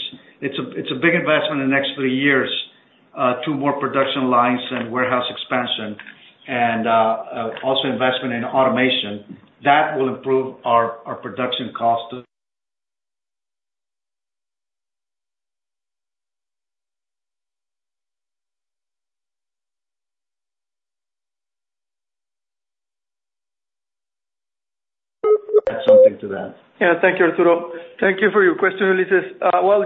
It's a big investment in the next three years, two more production lines and warehouse expansion, and also investment in automation. That will improve our production costs. Add something to that. Yeah, thank you, Arturo. Thank you for your question, Ulises. Well,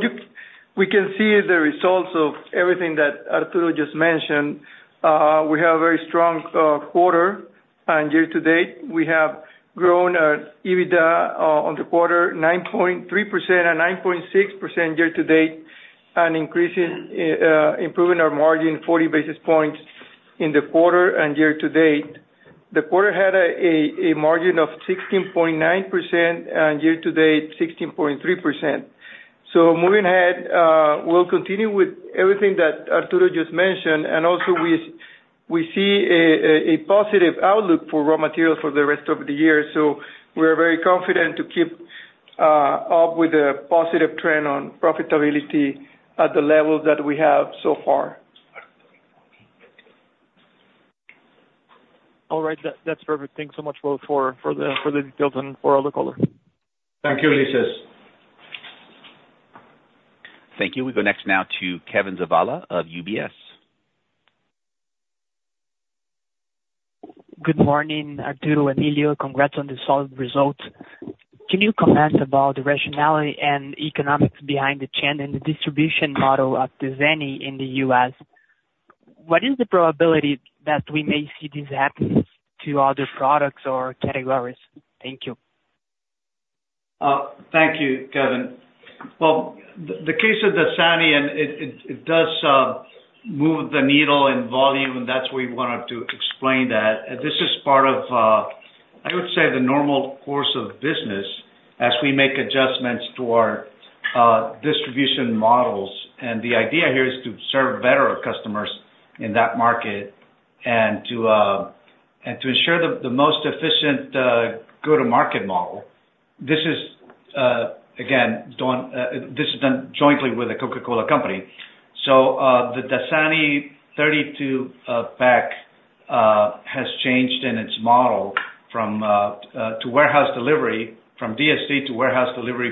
we can see the results of everything that Arturo just mentioned. We have a very strong quarter, and year to date, we have grown our EBITDA on the quarter 9.3% and 9.6% year to date... and increasing, improving our margin 40 basis points in the quarter and year to date. The quarter had a margin of 16.9%, and year to date, 16.3%. So moving ahead, we'll continue with everything that Arturo just mentioned, and also we see a positive outlook for raw materials for the rest of the year. So we're very confident to keep up with the positive trend on profitability at the level that we have so far. All right, that's perfect. Thanks so much both for the details and for all the color. Thank you, Ulises. Thank you. We go next now to Kevin Zavala of UBS. Good morning, Arturo and Emilio. Congrats on the solid results. Can you comment about the rationality and economics behind the change in the distribution model of Dasani in the U.S.? What is the probability that we may see this happen to other products or categories? Thank you. Thank you, Kevin. Well, the case of Dasani, and it does move the needle in volume, and that's why we wanted to explain that. This is part of, I would say the normal course of business as we make adjustments to our distribution models. And the idea here is to serve better our customers in that market and to ensure the most efficient go-to-market model. This is again done jointly with the Coca-Cola Company. So, the Dasani 32-pack has changed in its model from DSD to warehouse delivery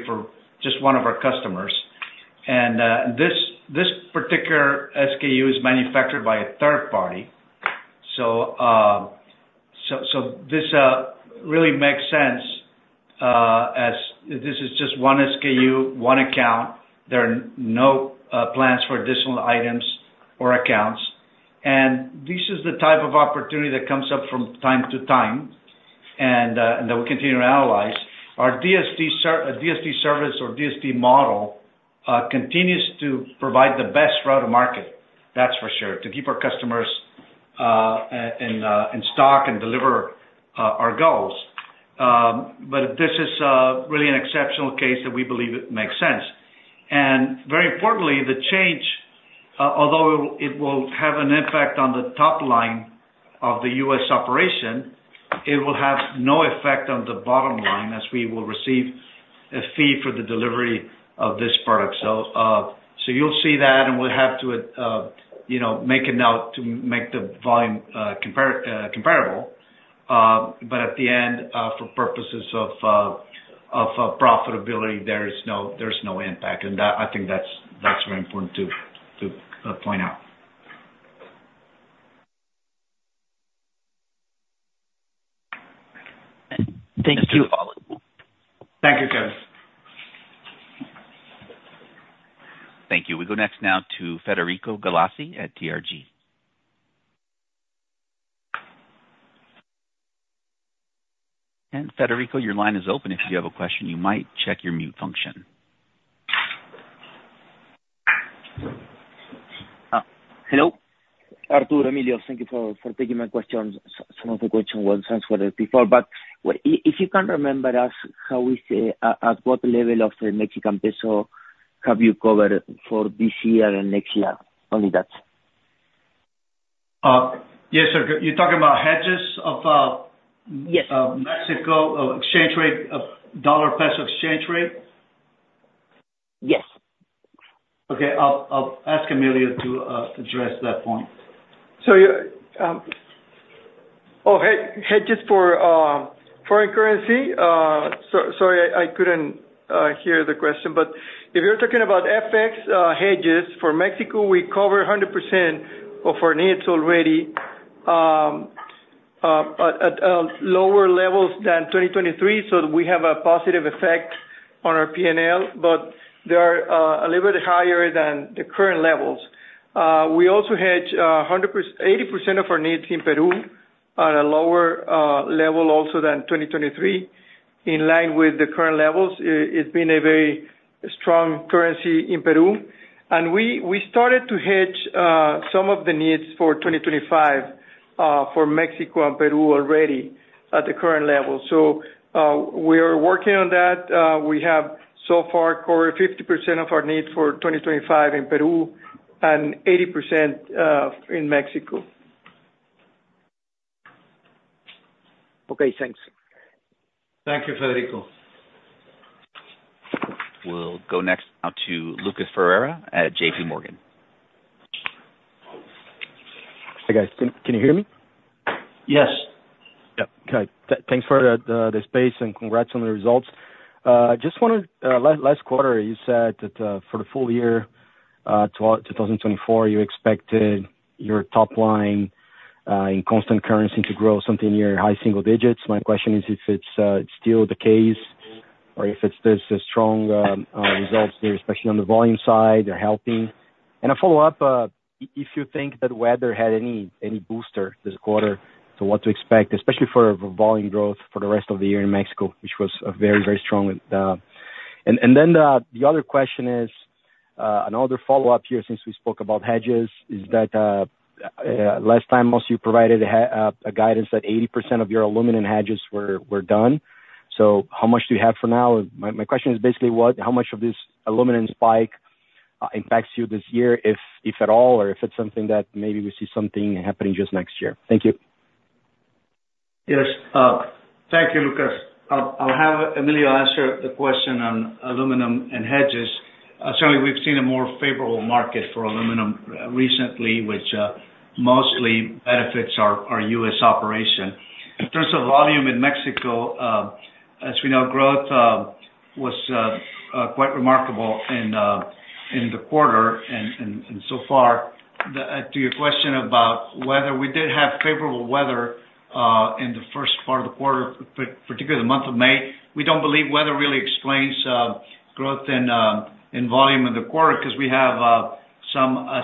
for just one of our customers. And this particular SKU is manufactured by a third party. So this really makes sense as this is just one SKU, one account. There are no plans for additional items or accounts. And this is the type of opportunity that comes up from time to time, and that we continue to analyze. Our DSD service or DSD model continues to provide the best route to market, that's for sure, to keep our customers in stock and deliver our goals. But this is really an exceptional case that we believe it makes sense. And very importantly, the change, although it will have an impact on the top line of the US operation, it will have no effect on the bottom line, as we will receive a fee for the delivery of this product. So, you'll see that, and we'll have to, you know, make it out to make the volume comparable. But at the end, for purposes of profitability, there is no, there's no impact. And that, I think that's very important to point out. Thank you. Thank you, Kevin. Thank you. We go next now to Federico Galassi at TRG. Federico, your line is open if you have a question. You might check your mute function. Uh, hello? Arturo, Emilio, thank you for taking my questions. Some of the question was answered before, but if you can remember us, how we say, at what level of the Mexican peso have you covered for this year and next year? Only that. Yes, sir. You're talking about hedges of, Yes. Mexico, exchange rate, dollar-peso exchange rate? Yes. Okay. I'll ask Emilio to address that point. So, yeah. Oh, hedges for foreign currency? Sorry, I couldn't hear the question, but if you're talking about FX hedges for Mexico, we cover 100% of our needs already at lower levels than 2023, so we have a positive effect on our P&L, but they are a little bit higher than the current levels. We also hedge 80% of our needs in Peru at a lower level also than 2023, in line with the current levels. It's been a very strong currency in Peru. And we started to hedge some of the needs for 2025 for Mexico and Peru already at the current level. So, we are working on that. We have so far covered 50% of our needs for 2025 in Peru and 80% in Mexico. Okay, thanks. Thank you, Federico. We'll go next, now to Lucas Ferreira at J.P. Morgan. Hi, guys. Can you hear me? Yes. Yeah. Okay. Thanks for the space and congrats on the results. Just wanted last quarter, you said that for the full year 2024, you expected your top line in constant currency to grow something near high single digits. My question is if it's still the case or if it's the strong results there, especially on the volume side, are helping?... A follow-up, if you think that weather had any, any booster this quarter, so what to expect, especially for volume growth for the rest of the year in Mexico, which was a very, very strong, and then the other question is, another follow-up here, since we spoke about hedges, is that last time, most you provided a guidance that 80% of your aluminum hedges were done. So how much do you have for now? My question is basically, what, how much of this aluminum spike impacts you this year, if, if at all, or if it's something that maybe we see something happening just next year? Thank you. Yes. Thank you, Lucas. I'll have Emilio answer the question on aluminum and hedges. Certainly, we've seen a more favorable market for aluminum recently, which mostly benefits our U.S. operation. In terms of volume in Mexico, as we know, growth was quite remarkable in the quarter, and so far. To your question about weather, we did have favorable weather in the first part of the quarter, particularly the month of May. We don't believe weather really explains growth and volume in the quarter, 'cause we have, as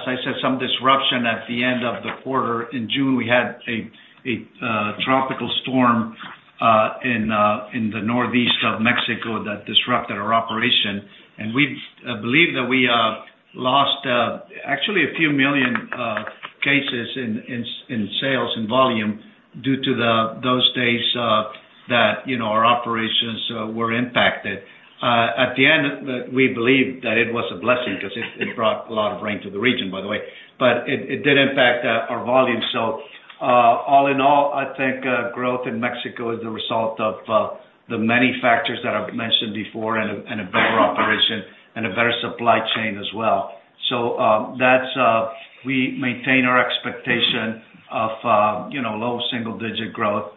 I said, some disruption at the end of the quarter. In June, we had a tropical storm in the northeast of Mexico that disrupted our operation, and we believe that we lost actually a few million cases in sales and volume due to those days that, you know, our operations were impacted. At the end, we believe that it was a blessing, 'cause it brought a lot of rain to the region, by the way. But it did impact our volume. So, all in all, I think growth in Mexico is the result of the many factors that I've mentioned before, and a better operation and a better supply chain as well. So, that's. We maintain our expectation of, you know, low single-digit growth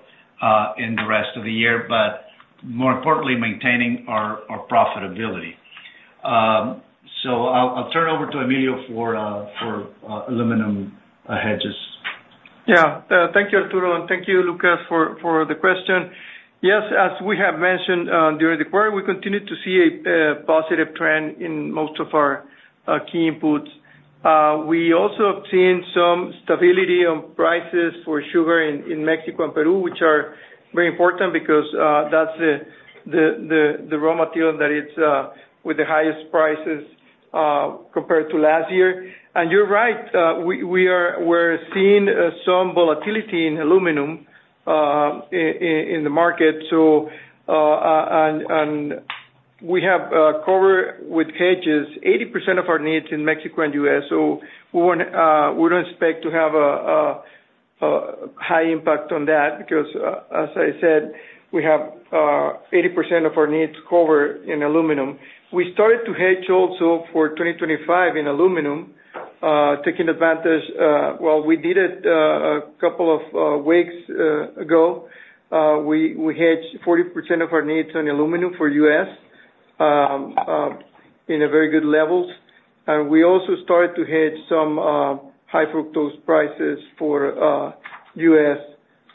in the rest of the year, but more importantly, maintaining our profitability. So, I'll turn over to Emilio for aluminum hedges. Yeah. Thank you, Arturo, and thank you, Lucas, for the question. Yes, as we have mentioned, during the quarter, we continue to see a positive trend in most of our key inputs. We also have seen some stability on prices for sugar in Mexico and Peru, which are very important because that's the raw material that is with the highest prices compared to last year. And you're right, we are seeing some volatility in aluminum in the market. So, and we have covered with hedges 80% of our needs in Mexico and U.S., so we don't expect to have a high impact on that because, as I said, we have 80% of our needs covered in aluminum. We started to hedge also for 2025 in aluminum, taking advantage... Well, we did it a couple of weeks ago. We hedged 40% of our needs on aluminum for U.S., in a very good levels. And we also started to hedge some high fructose prices for U.S.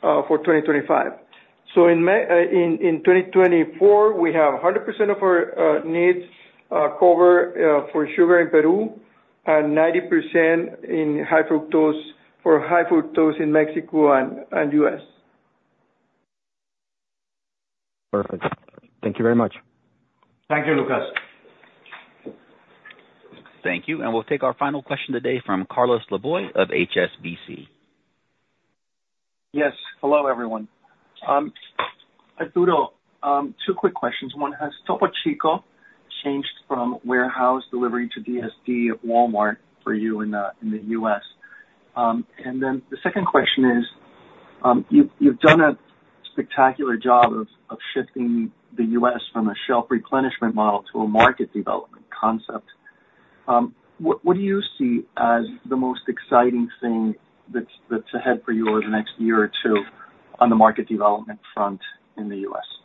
for 2025. So in May in 2024, we have 100% of our needs covered for sugar in Peru, and 90% in high fructose, for high fructose in Mexico and U.S. Perfect. Thank you very much. Thank you, Lucas. Thank you, and we'll take our final question today from Carlos Laboy of HSBC. Yes. Hello, everyone. Arturo, two quick questions. One, has Topo Chico changed from warehouse delivery to DSD of Walmart for you in, in the U.S.? And then the second question is, you've, you've done a spectacular job of, of shifting the U.S. from a shelf replenishment model to a market development concept. What, what do you see as the most exciting thing that's, that's ahead for you over the next year or two on the market development front in the U.S.?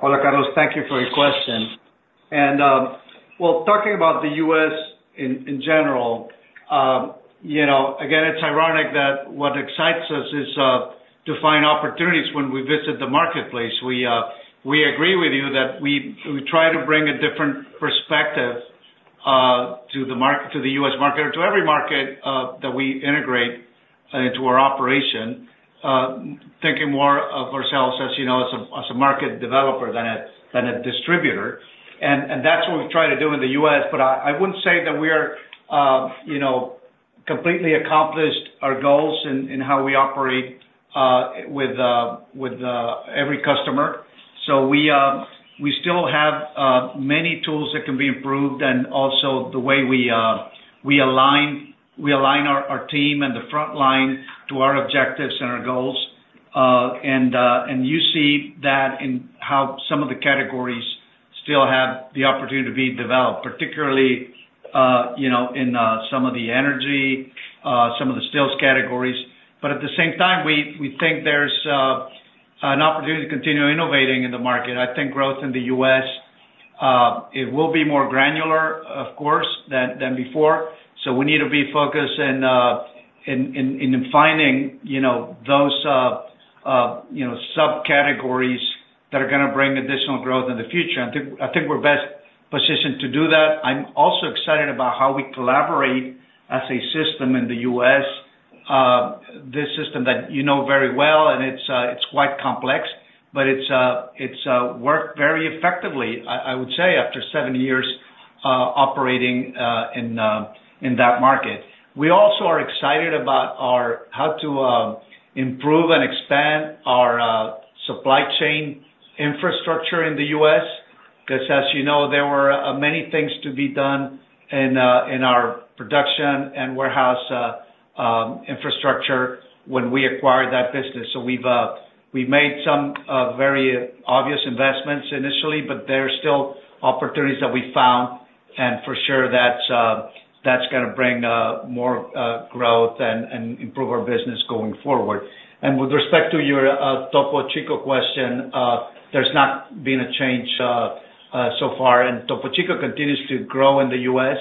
Hola, Carlos, thank you for your question. And, well, talking about the U.S. in general, you know, again, it's ironic that what excites us is to find opportunities when we visit the marketplace. We agree with you that we try to bring a different perspective to the U.S. market or to every market that we integrate into our operation. Thinking more of ourselves as, you know, as a market developer than a distributor. And that's what we try to do in the U.S., but I wouldn't say that we are, you know, completely accomplished our goals in how we operate with every customer. So we still have many tools that can be improved and also the way we align our team and the front line to our objectives and our goals. And you see that in how some of the categories still have the opportunity to be developed, particularly, you know, in some of the energy, some of the stills categories. But at the same time, we think there's an opportunity to continue innovating in the market. I think growth in the U.S. it will be more granular, of course, than before, so we need to be focused and in finding, you know, those, you know, subcategories that are gonna bring additional growth in the future. I think we're best positioned to do that. I'm also excited about how we collaborate as a system in the U.S. This system that you know very well, and it's quite complex, but it's worked very effectively, I would say, after seven years operating in that market. We also are excited about our—how to improve and expand our supply chain infrastructure in the U.S., 'cause as you know, there were many things to be done in our production and warehouse infrastructure when we acquired that business. So we've made some very obvious investments initially, but there are still opportunities that we found, and for sure that's gonna bring more growth and improve our business going forward. With respect to your Topo Chico question, there's not been a change so far, and Topo Chico continues to grow in the U.S.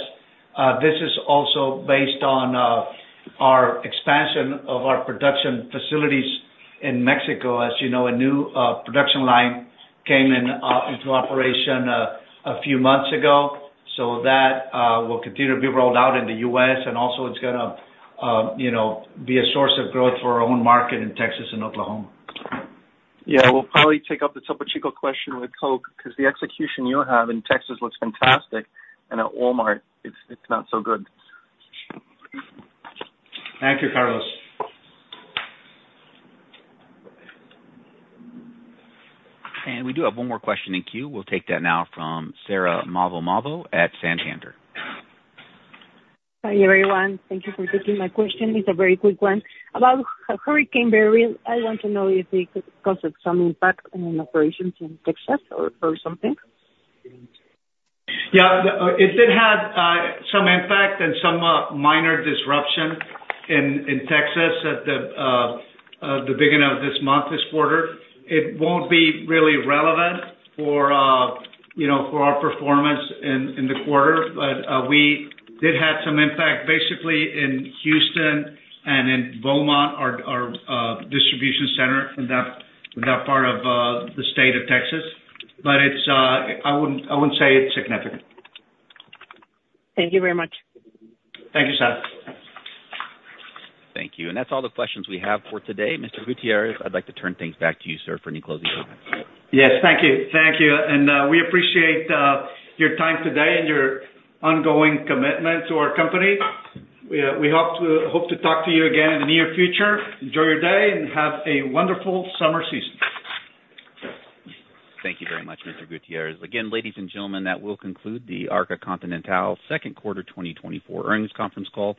This is also based on our expansion of our production facilities in Mexico. As you know, a new production line came into operation a few months ago, so that will continue to be rolled out in the U.S., and also it's gonna, you know, be a source of growth for our own market in Texas and Oklahoma. Yeah, we'll probably take up the Topo Chico question with Coke, 'cause the execution you have in Texas looks fantastic, and at Walmart, it's not so good. Thank you, Carlos. We do have one more question in queue. We'll take that now from Sarah [Mawomavo] at Santander. Hi, everyone. Thank you for taking my question. It's a very quick one. About Hurricane Beryl, I want to know if it could cause some impact on operations in Texas or, or something? Yeah. It did have some impact and some minor disruption in Texas at the beginning of this month, this quarter. It won't be really relevant for, you know, for our performance in the quarter, but we did have some impact basically in Houston and in Beaumont, our distribution center in that part of the state of Texas. But it's... I wouldn't say it's significant. Thank you very much. Thank you, Sarah. Thank you. That's all the questions we have for today. Mr. Gutierrez, I'd like to turn things back to you, sir, for any closing comments. Yes. Thank you. Thank you, and we appreciate your time today and your ongoing commitment to our company. We hope to talk to you again in the near future. Enjoy your day, and have a wonderful summer season. Thank you very much, Mr. Gutierrez. Again, ladies and gentlemen, that will conclude the Arca Continental Q2 2024 earnings conference call.